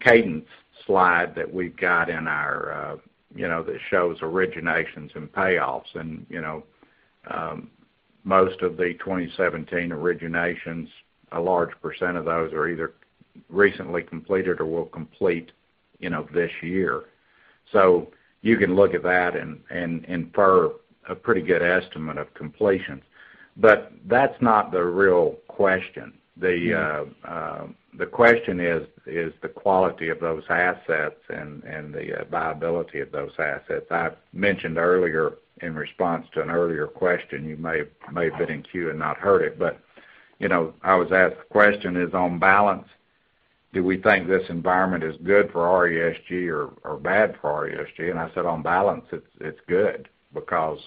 cadence slide that we've got that shows originations and payoffs. Most of the 2017 originations, a large percent of those are either recently completed or will complete this year. You can look at that and infer a pretty good estimate of completions. That's not the real question. The question is the quality of those assets and the viability of those assets. I mentioned earlier in response to an earlier question, you may have been in queue and not heard it. I was asked the question is on balance, do we think this environment is good for RESG or bad for RESG? I said, on balance, it's good because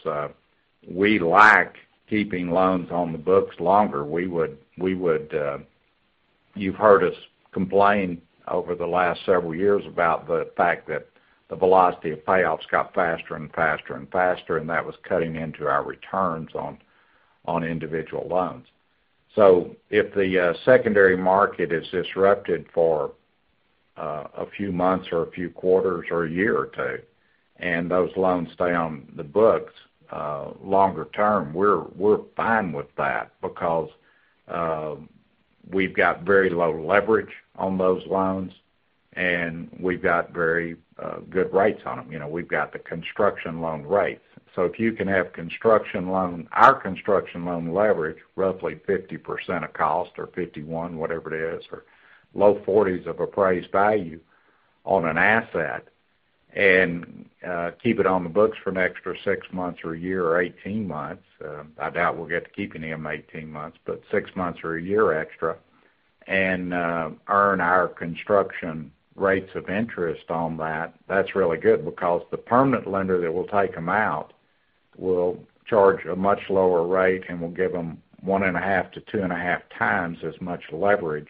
we like keeping loans on the books longer. You've heard us complain over the last several years about the fact that the velocity of payoffs got faster and faster and faster. That was cutting into our returns on individual loans. If the secondary market is disrupted for a few months or a few quarters or a year or two, and those loans stay on the books longer term, we're fine with that because, we've got very low leverage on those loans, and we've got very good rates on them. We've got the construction loan rates. If you can have our construction loan leverage, roughly 50% of cost or 51%, whatever it is, or low 40s of appraised value on an asset and keep it on the books for an extra six months or a year or 18 months. I doubt we'll get to keeping them 18 months, but six months or a year extra and earn our construction rates of interest on that, that's really good because the permanent lender that will take them out will charge a much lower rate, and we'll give them 1.5x-2.5x as much leverage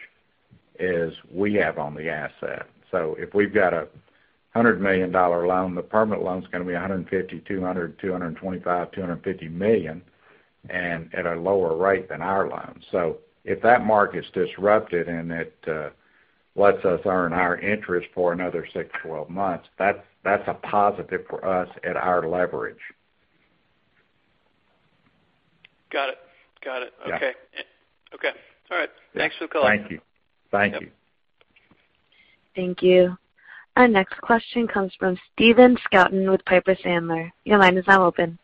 as we have on the asset. If we've got a $100 million loan, the permanent loan is going to be $150, $200, $225, $250 million, and at a lower rate than our loan. If that market's disrupted and it lets us earn our interest for another 6-12 months, that's a positive for us at our leverage. Got it. Okay. Yeah. Okay. All right. Thanks for the call. Thank you. Yep. Thank you. Our next question comes from Stephen Scouten with Piper Sandler. Your line is now open.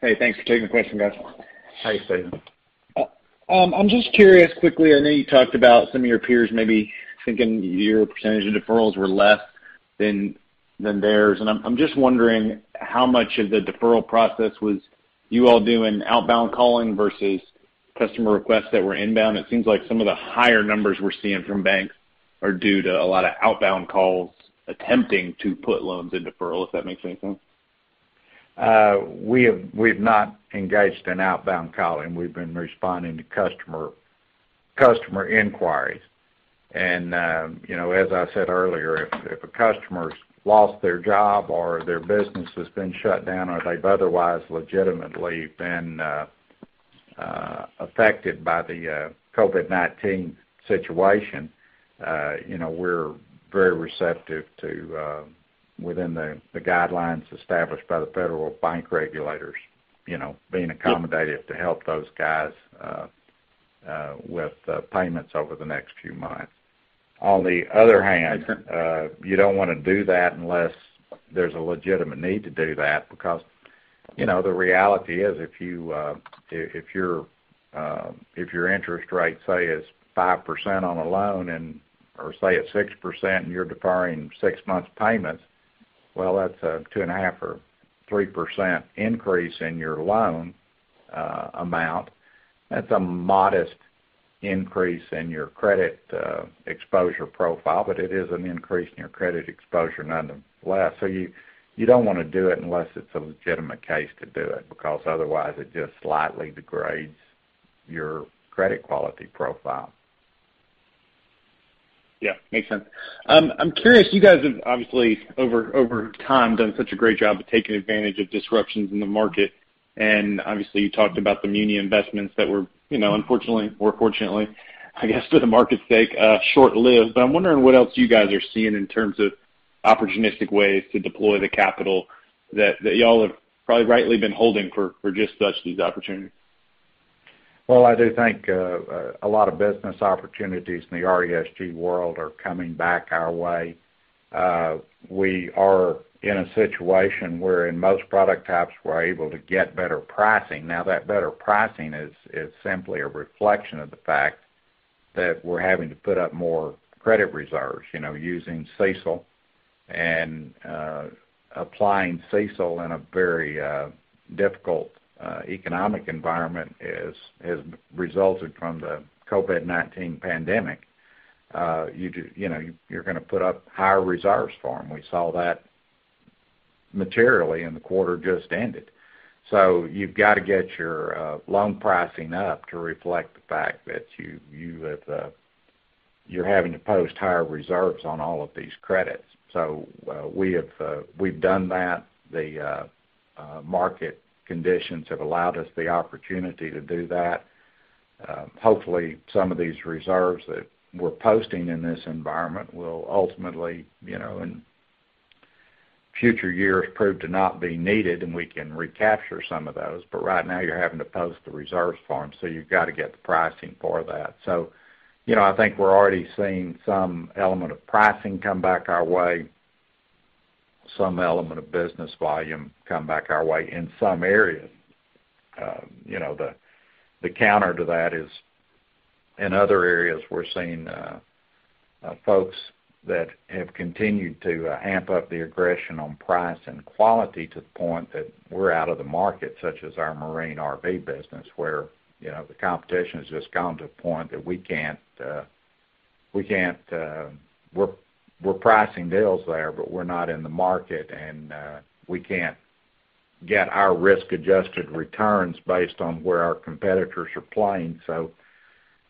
Hey, thanks for taking the question, guys. How are you, Stephen? I'm just curious quickly, I know you talked about some of your peers maybe thinking your percentage of deferrals were less than theirs. I'm just wondering how much of the deferral process was you all doing outbound calling versus customer requests that were inbound. It seems like some of the higher numbers we're seeing from banks are due to a lot of outbound calls attempting to put loans in deferral, if that makes any sense. We've not engaged in outbound calling. We've been responding to customer inquiries. As I said earlier, if a customer's lost their job or their business has been shut down or they've otherwise legitimately been affected by the COVID-19 situation, we're very receptive to, within the guidelines established by the federal bank regulators, being accommodative to help those guys, with payments over the next few months. On the other hand, you don't want to do that unless there's a legitimate need to do that. The reality is, if your interest rate, say, is 5% on a loan, or say it's 6% and you're deferring six months payments, well, that's a 2.5% or 3% increase in your loan amount. That's a modest increase in your credit exposure profile, but it is an increase in your credit exposure nonetheless. You don't want to do it unless it's a legitimate case to do it, because otherwise it just slightly degrades your credit quality profile. Yeah, makes sense. I'm curious, you guys have, obviously, over time, done such a great job of taking advantage of disruptions in the market. Obviously, you talked about the muni investments that were, unfortunately or fortunately, I guess for the market's sake, short-lived. I'm wondering what else you guys are seeing in terms of opportunistic ways to deploy the capital that y'all have probably rightly been holding for just such these opportunities. I do think a lot of business opportunities in the RESG world are coming back our way. We are in a situation where in most product types, we're able to get better pricing. That better pricing is simply a reflection of the fact that we're having to put up more credit reserves using CECL. Applying CECL in a very difficult economic environment as resulted from the COVID-19 pandemic, you're going to put up higher reserves for them. We saw that materially in the quarter just ended. You've got to get your loan pricing up to reflect the fact that you're having to post higher reserves on all of these credits. We've done that. The market conditions have allowed us the opportunity to do that. Hopefully, some of these reserves that we're posting in this environment will ultimately, in future years, prove to not be needed, and we can recapture some of those. Right now, you're having to post the reserves for them, so you've got to get the pricing for that. I think we're already seeing some element of pricing come back our way, some element of business volume come back our way in some areas. The counter to that is, in other areas, we're seeing folks that have continued to amp up the aggression on price and quality to the point that we're out of the market, such as our marine RV business, where the competition has just gotten to the point that we're pricing deals there, but we're not in the market. We can't get our risk-adjusted returns based on where our competitors are playing.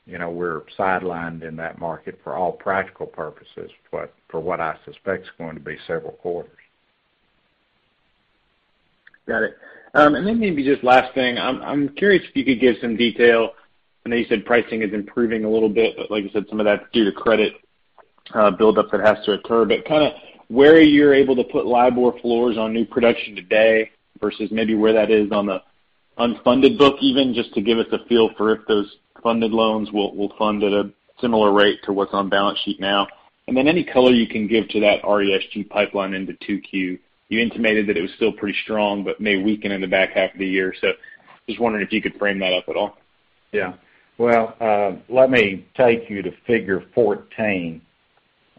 We're sidelined in that market for all practical purposes for what I suspect is going to be several quarters. Got it. Then maybe just last thing, I'm curious if you could give some detail. I know you said pricing is improving a little bit, but like you said, some of that's due to credit buildup that has to occur. Where you're able to put LIBOR floors on new production today versus maybe where that is on the unfunded book even, just to give us a feel for if those funded loans will fund at a similar rate to what's on balance sheet now. Then any color you can give to that RESG pipeline into 2Q. You intimated that it was still pretty strong, but may weaken in the back half of the year. Just wondering if you could frame that up at all. Yeah. Well, let me take you to figure 14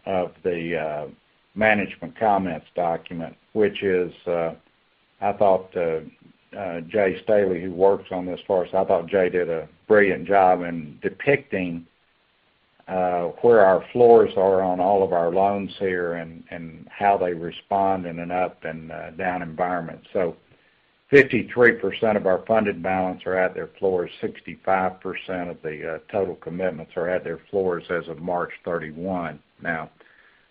of the management comments document. Jay Staley, who works on this for us, I thought Jay did a brilliant job in depicting where our floors are on all of our loans here and how they respond in an up and down environment. 53% of our funded balance are at their floors. 65% of the total commitments are at their floors as of March 31. Now,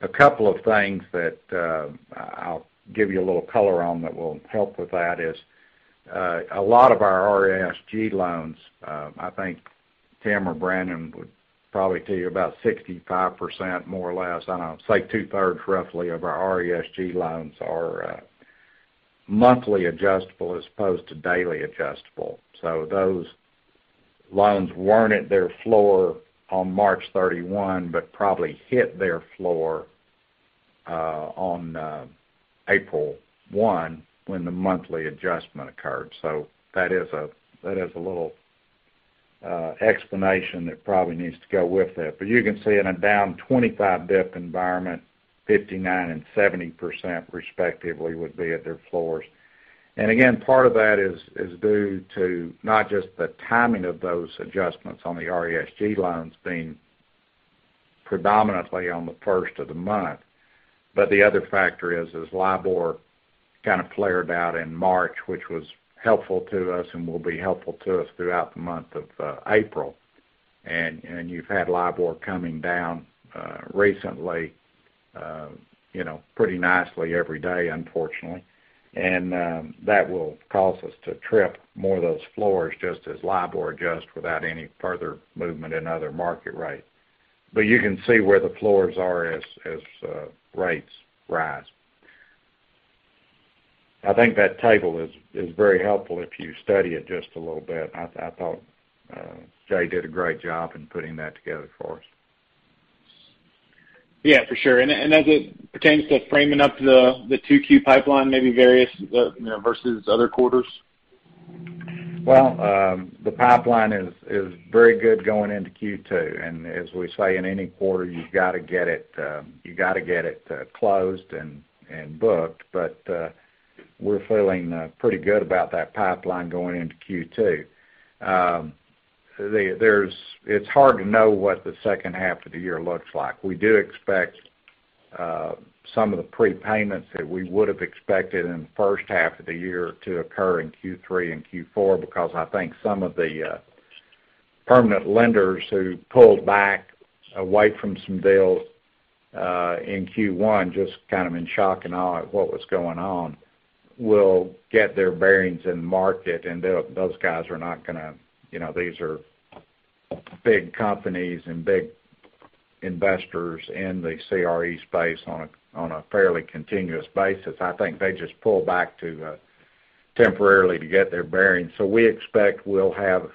a couple of things that I'll give you a little color on that will help with that is, a lot of our RESG loans, I think Tim or Brannon would probably tell you about 65% more or less, say 2/3 roughly of our RESG loans are monthly adjustable as opposed to daily adjustable. Those loans weren't at their floor on March 31, but probably hit their floor on April 1 when the monthly adjustment occurred. That is a little explanation that probably needs to go with that. You can see in a down 25 basis points environment, 59% and 70% respectively would be at their floors. Again, part of that is due to not just the timing of those adjustments on the RESG loans being predominantly on the first of the month. The other factor is, as LIBOR kind of flared out in March, which was helpful to us and will be helpful to us throughout the month of April. You've had LIBOR coming down recently pretty nicely every day, unfortunately. That will cause us to trip more of those floors just as LIBOR adjusts without any further movement in other market rates. You can see where the floors are as rates rise. I think that table is very helpful if you study it just a little bit. I thought Jay did a great job in putting that together for us. Yeah, for sure. As it pertains to framing up the 2Q pipeline, maybe various versus other quarters? Well, the pipeline is very good going into Q2. As we say, in any quarter, you've got to get it closed and booked. We're feeling pretty good about that pipeline going into Q2. It's hard to know what the second half of the year looks like. We do expect some of the prepayments that we would have expected in the first half of the year to occur in Q3 and Q4, because I think some of the permanent lenders who pulled back away from some deals in Q1, just kind of in shock and awe at what was going on, will get their bearings in the market. These are big companies and big investors in the CRE space on a fairly continuous basis. I think they just pulled back temporarily to get their bearings. We expect we'll have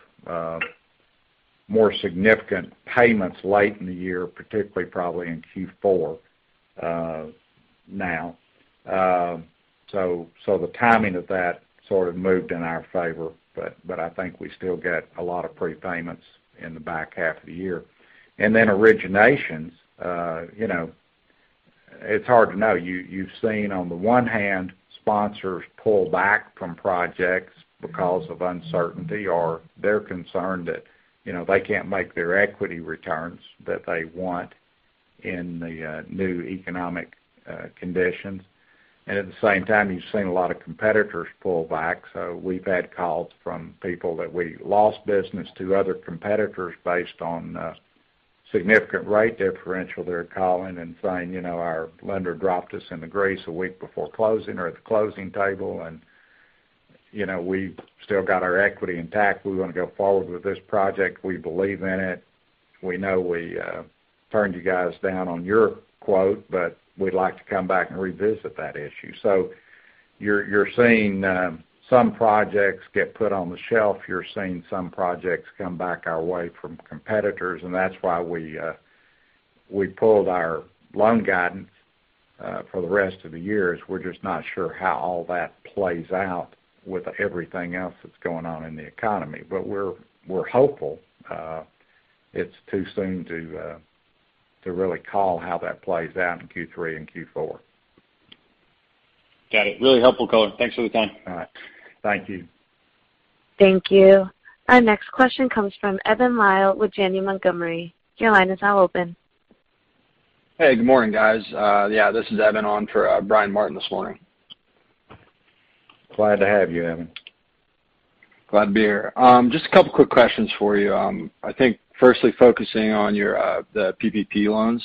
more significant payments late in the year, particularly probably in Q4 now. The timing of that sort of moved in our favor, but I think we still get a lot of prepayments in the back half of the year. Then originations, it's hard to know. You've seen, on the one hand, sponsors pull back from projects because of uncertainty, or they're concerned that they can't make their equity returns that they want in the new economic conditions. At the same time, you've seen a lot of competitors pull back. We've had calls from people that we lost business to other competitors based on significant rate differential. They're calling and saying, "Our lender dropped us in the grease a week before closing or at the closing table, and we've still got our equity intact. We want to go forward with this project. We believe in it. We know we turned you guys down on your quote, but we'd like to come back and revisit that issue. You're seeing some projects get put on the shelf. You're seeing some projects come back our way from competitors, and that's why we pulled our loan guidance for the rest of the year, is we're just not sure how all that plays out with everything else that's going on in the economy. We're hopeful. It's too soon to really call how that plays out in Q3 and Q4. Got it. Really helpful color. Thanks for the time. All right. Thank you. Thank you. Our next question comes from Evan Lisle with Janney Montgomery. Your line is now open. Hey, good morning, guys. Yeah, this is Evan on for Brian Martin this morning. Glad to have you, Evan. Glad to be here. Just a couple quick questions for you. I think firstly, focusing on the PPP loans.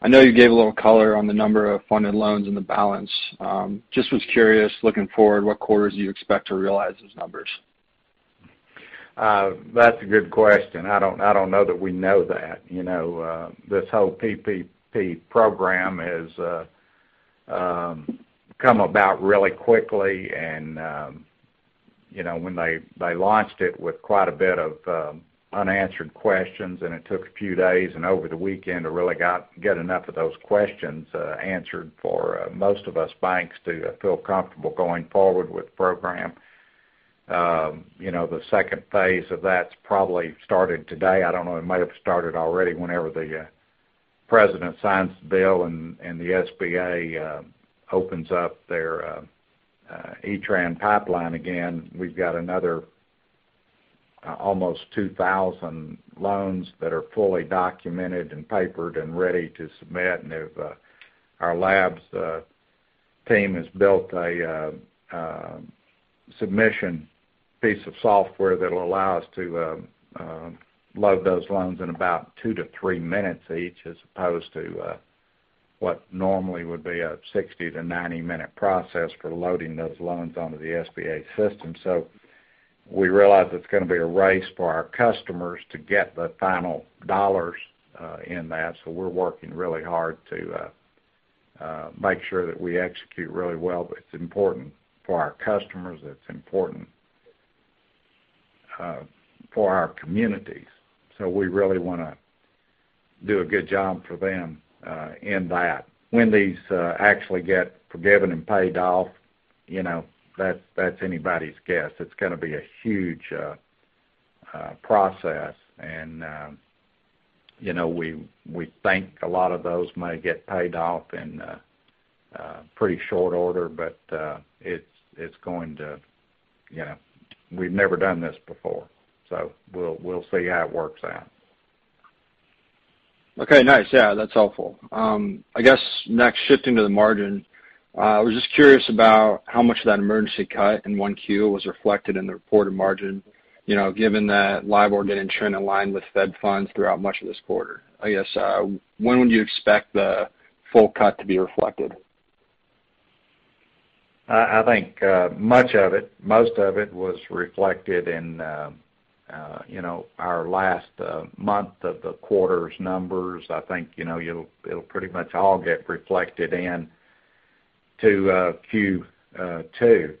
I know you gave a little color on the number of funded loans and the balance. Just was curious, looking forward, what quarters do you expect to realize those numbers? That's a good question. I don't know that we know that. This whole PPP program has come about really quickly. When they launched it with quite a bit of unanswered questions, and it took a few days and over the weekend to really get enough of those questions answered for most of us banks to feel comfortable going forward with the program. The second phase of that's probably started today. I don't know, it might have started already. Whenever the President signs the bill and the SBA opens up their E-Tran pipeline again, we've got another almost 2,000 loans that are fully documented and papered and ready to submit. Our labs team has built a submission piece of software that'll allow us to load those loans in about two to three minutes each, as opposed to what normally would be a 60-90 minute process for loading those loans onto the SBA system. We realize it's going to be a race for our customers to get the final dollars in that. We're working really hard to make sure that we execute really well. It's important for our customers, it's important for our communities, so we really want to do a good job for them in that. When these actually get forgiven and paid off, that's anybody's guess. It's going to be a huge process. We think a lot of those may get paid off in pretty short order, but we've never done this before, so we'll see how it works out. Okay, nice. Yeah, that's helpful. I guess next, shifting to the margin, I was just curious about how much of that emergency cut in 1Q was reflected in the reported margin, given that LIBOR did trend in line with Fed funds throughout much of this quarter. I guess, when would you expect the full cut to be reflected? I think most of it was reflected in our last month of the quarter's numbers. I think it'll pretty much all get reflected into Q2,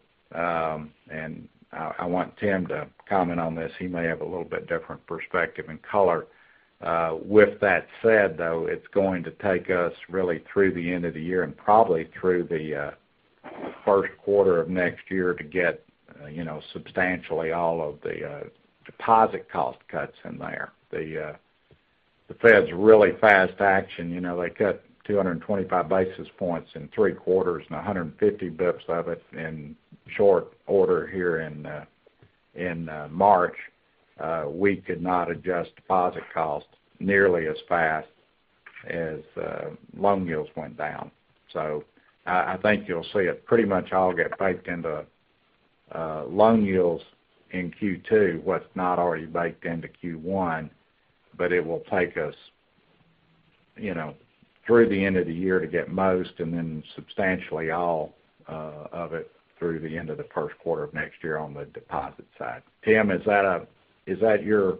and I want Tim to comment on this. He may have a little bit different perspective and color. With that said, though, it's going to take us really through the end of the year and probably through the first quarter of next year to get substantially all of the deposit cost cuts in there. The Fed's really fast action. They cut 225 basis points in three quarters and 150 basis points of it in short order here in March. We could not adjust deposit costs nearly as fast as loan yields went down. I think you'll see it pretty much all get baked into loan yields in Q2, what's not already baked into Q1, but it will take us through the end of the year to get most and then substantially all of it through the end of the first quarter of next year on the deposit side. Tim, is that your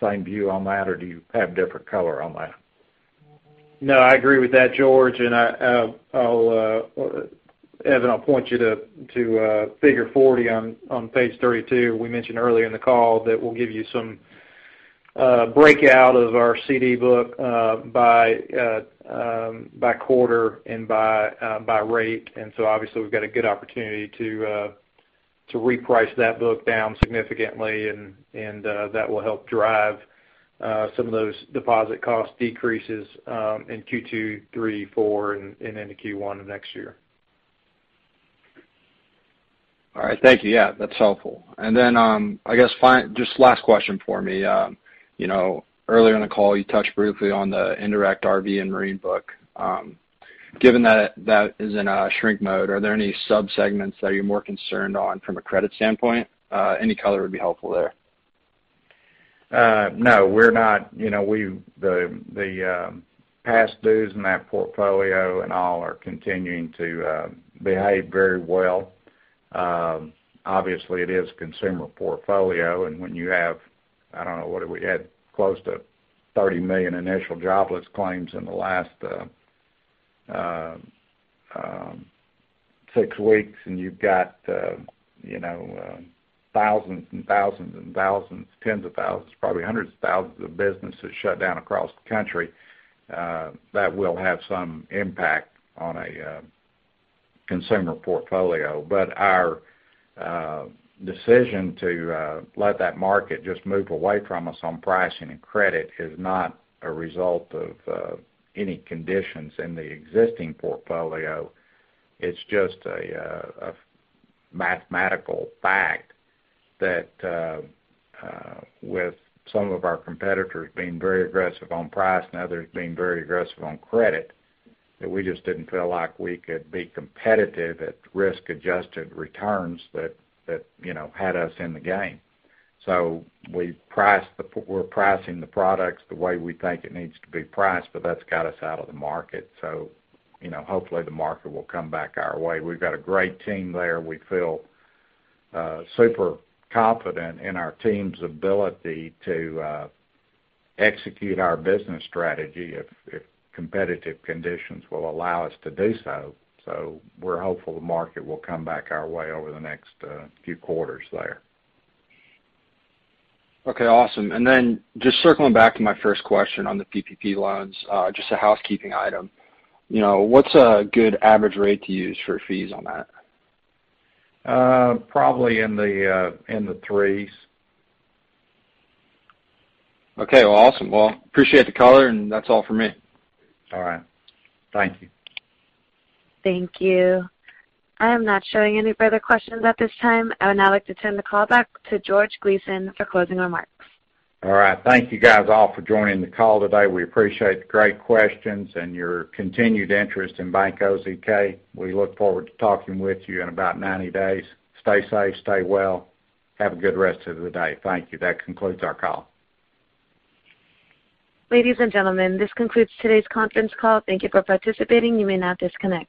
same view on that, or do you have different color on that? No, I agree with that, George. Evan, I'll point you to figure 40 on page 32. We mentioned earlier in the call that we'll give you some breakout of our CD book by quarter and by rate. Obviously, we've got a good opportunity to reprice that book down significantly, and that will help drive some of those deposit cost decreases in Q2, Q3, Q4, and into Q1 of next year. All right. Thank you. Yeah, that's helpful. Then, I guess, just last question for me. Earlier in the call, you touched briefly on the indirect RV and marine book. Given that that is in a shrink mode, are there any sub-segments that you're more concerned on from a credit standpoint? Any color would be helpful there. No, we're not. The past dues in that portfolio and all are continuing to behave very well. Obviously, it is a consumer portfolio, and when you have, I don't know, what do we have? Close to 30 million initial jobless claims in the last six weeks, and you've got thousands and thousands and thousands, tens of thousands, probably hundreds of thousands of businesses shut down across the country, that will have some impact on a consumer portfolio. But our decision to let that market just move away from us on pricing and credit is not a result of any conditions in the existing portfolio. It's just a mathematical fact that with some of our competitors being very aggressive on price and others being very aggressive on credit, that we just didn't feel like we could be competitive at risk-adjusted returns that had us in the game. We're pricing the products the way we think it needs to be priced, but that's got us out of the market. Hopefully, the market will come back our way. We've got a great team there. We feel super confident in our team's ability to execute our business strategy if competitive conditions will allow us to do so. We're hopeful the market will come back our way over the next few quarters there. Okay, awesome. Then just circling back to my first question on the PPP loans, just a housekeeping item. What's a good average rate to use for fees on that? Probably in the 3s. Okay. Well, awesome. Well, appreciate the color. That's all for me. All right. Thank you. Thank you. I am not showing any further questions at this time. I would now like to turn the call back to George Gleason for closing remarks. All right. Thank you guys all for joining the call today. We appreciate the great questions and your continued interest in Bank OZK. We look forward to talking with you in about 90 days. Stay safe. Stay well. Have a good rest of the day. Thank you. That concludes our call. Ladies and gentlemen, this concludes today's conference call. Thank you for participating. You may now disconnect.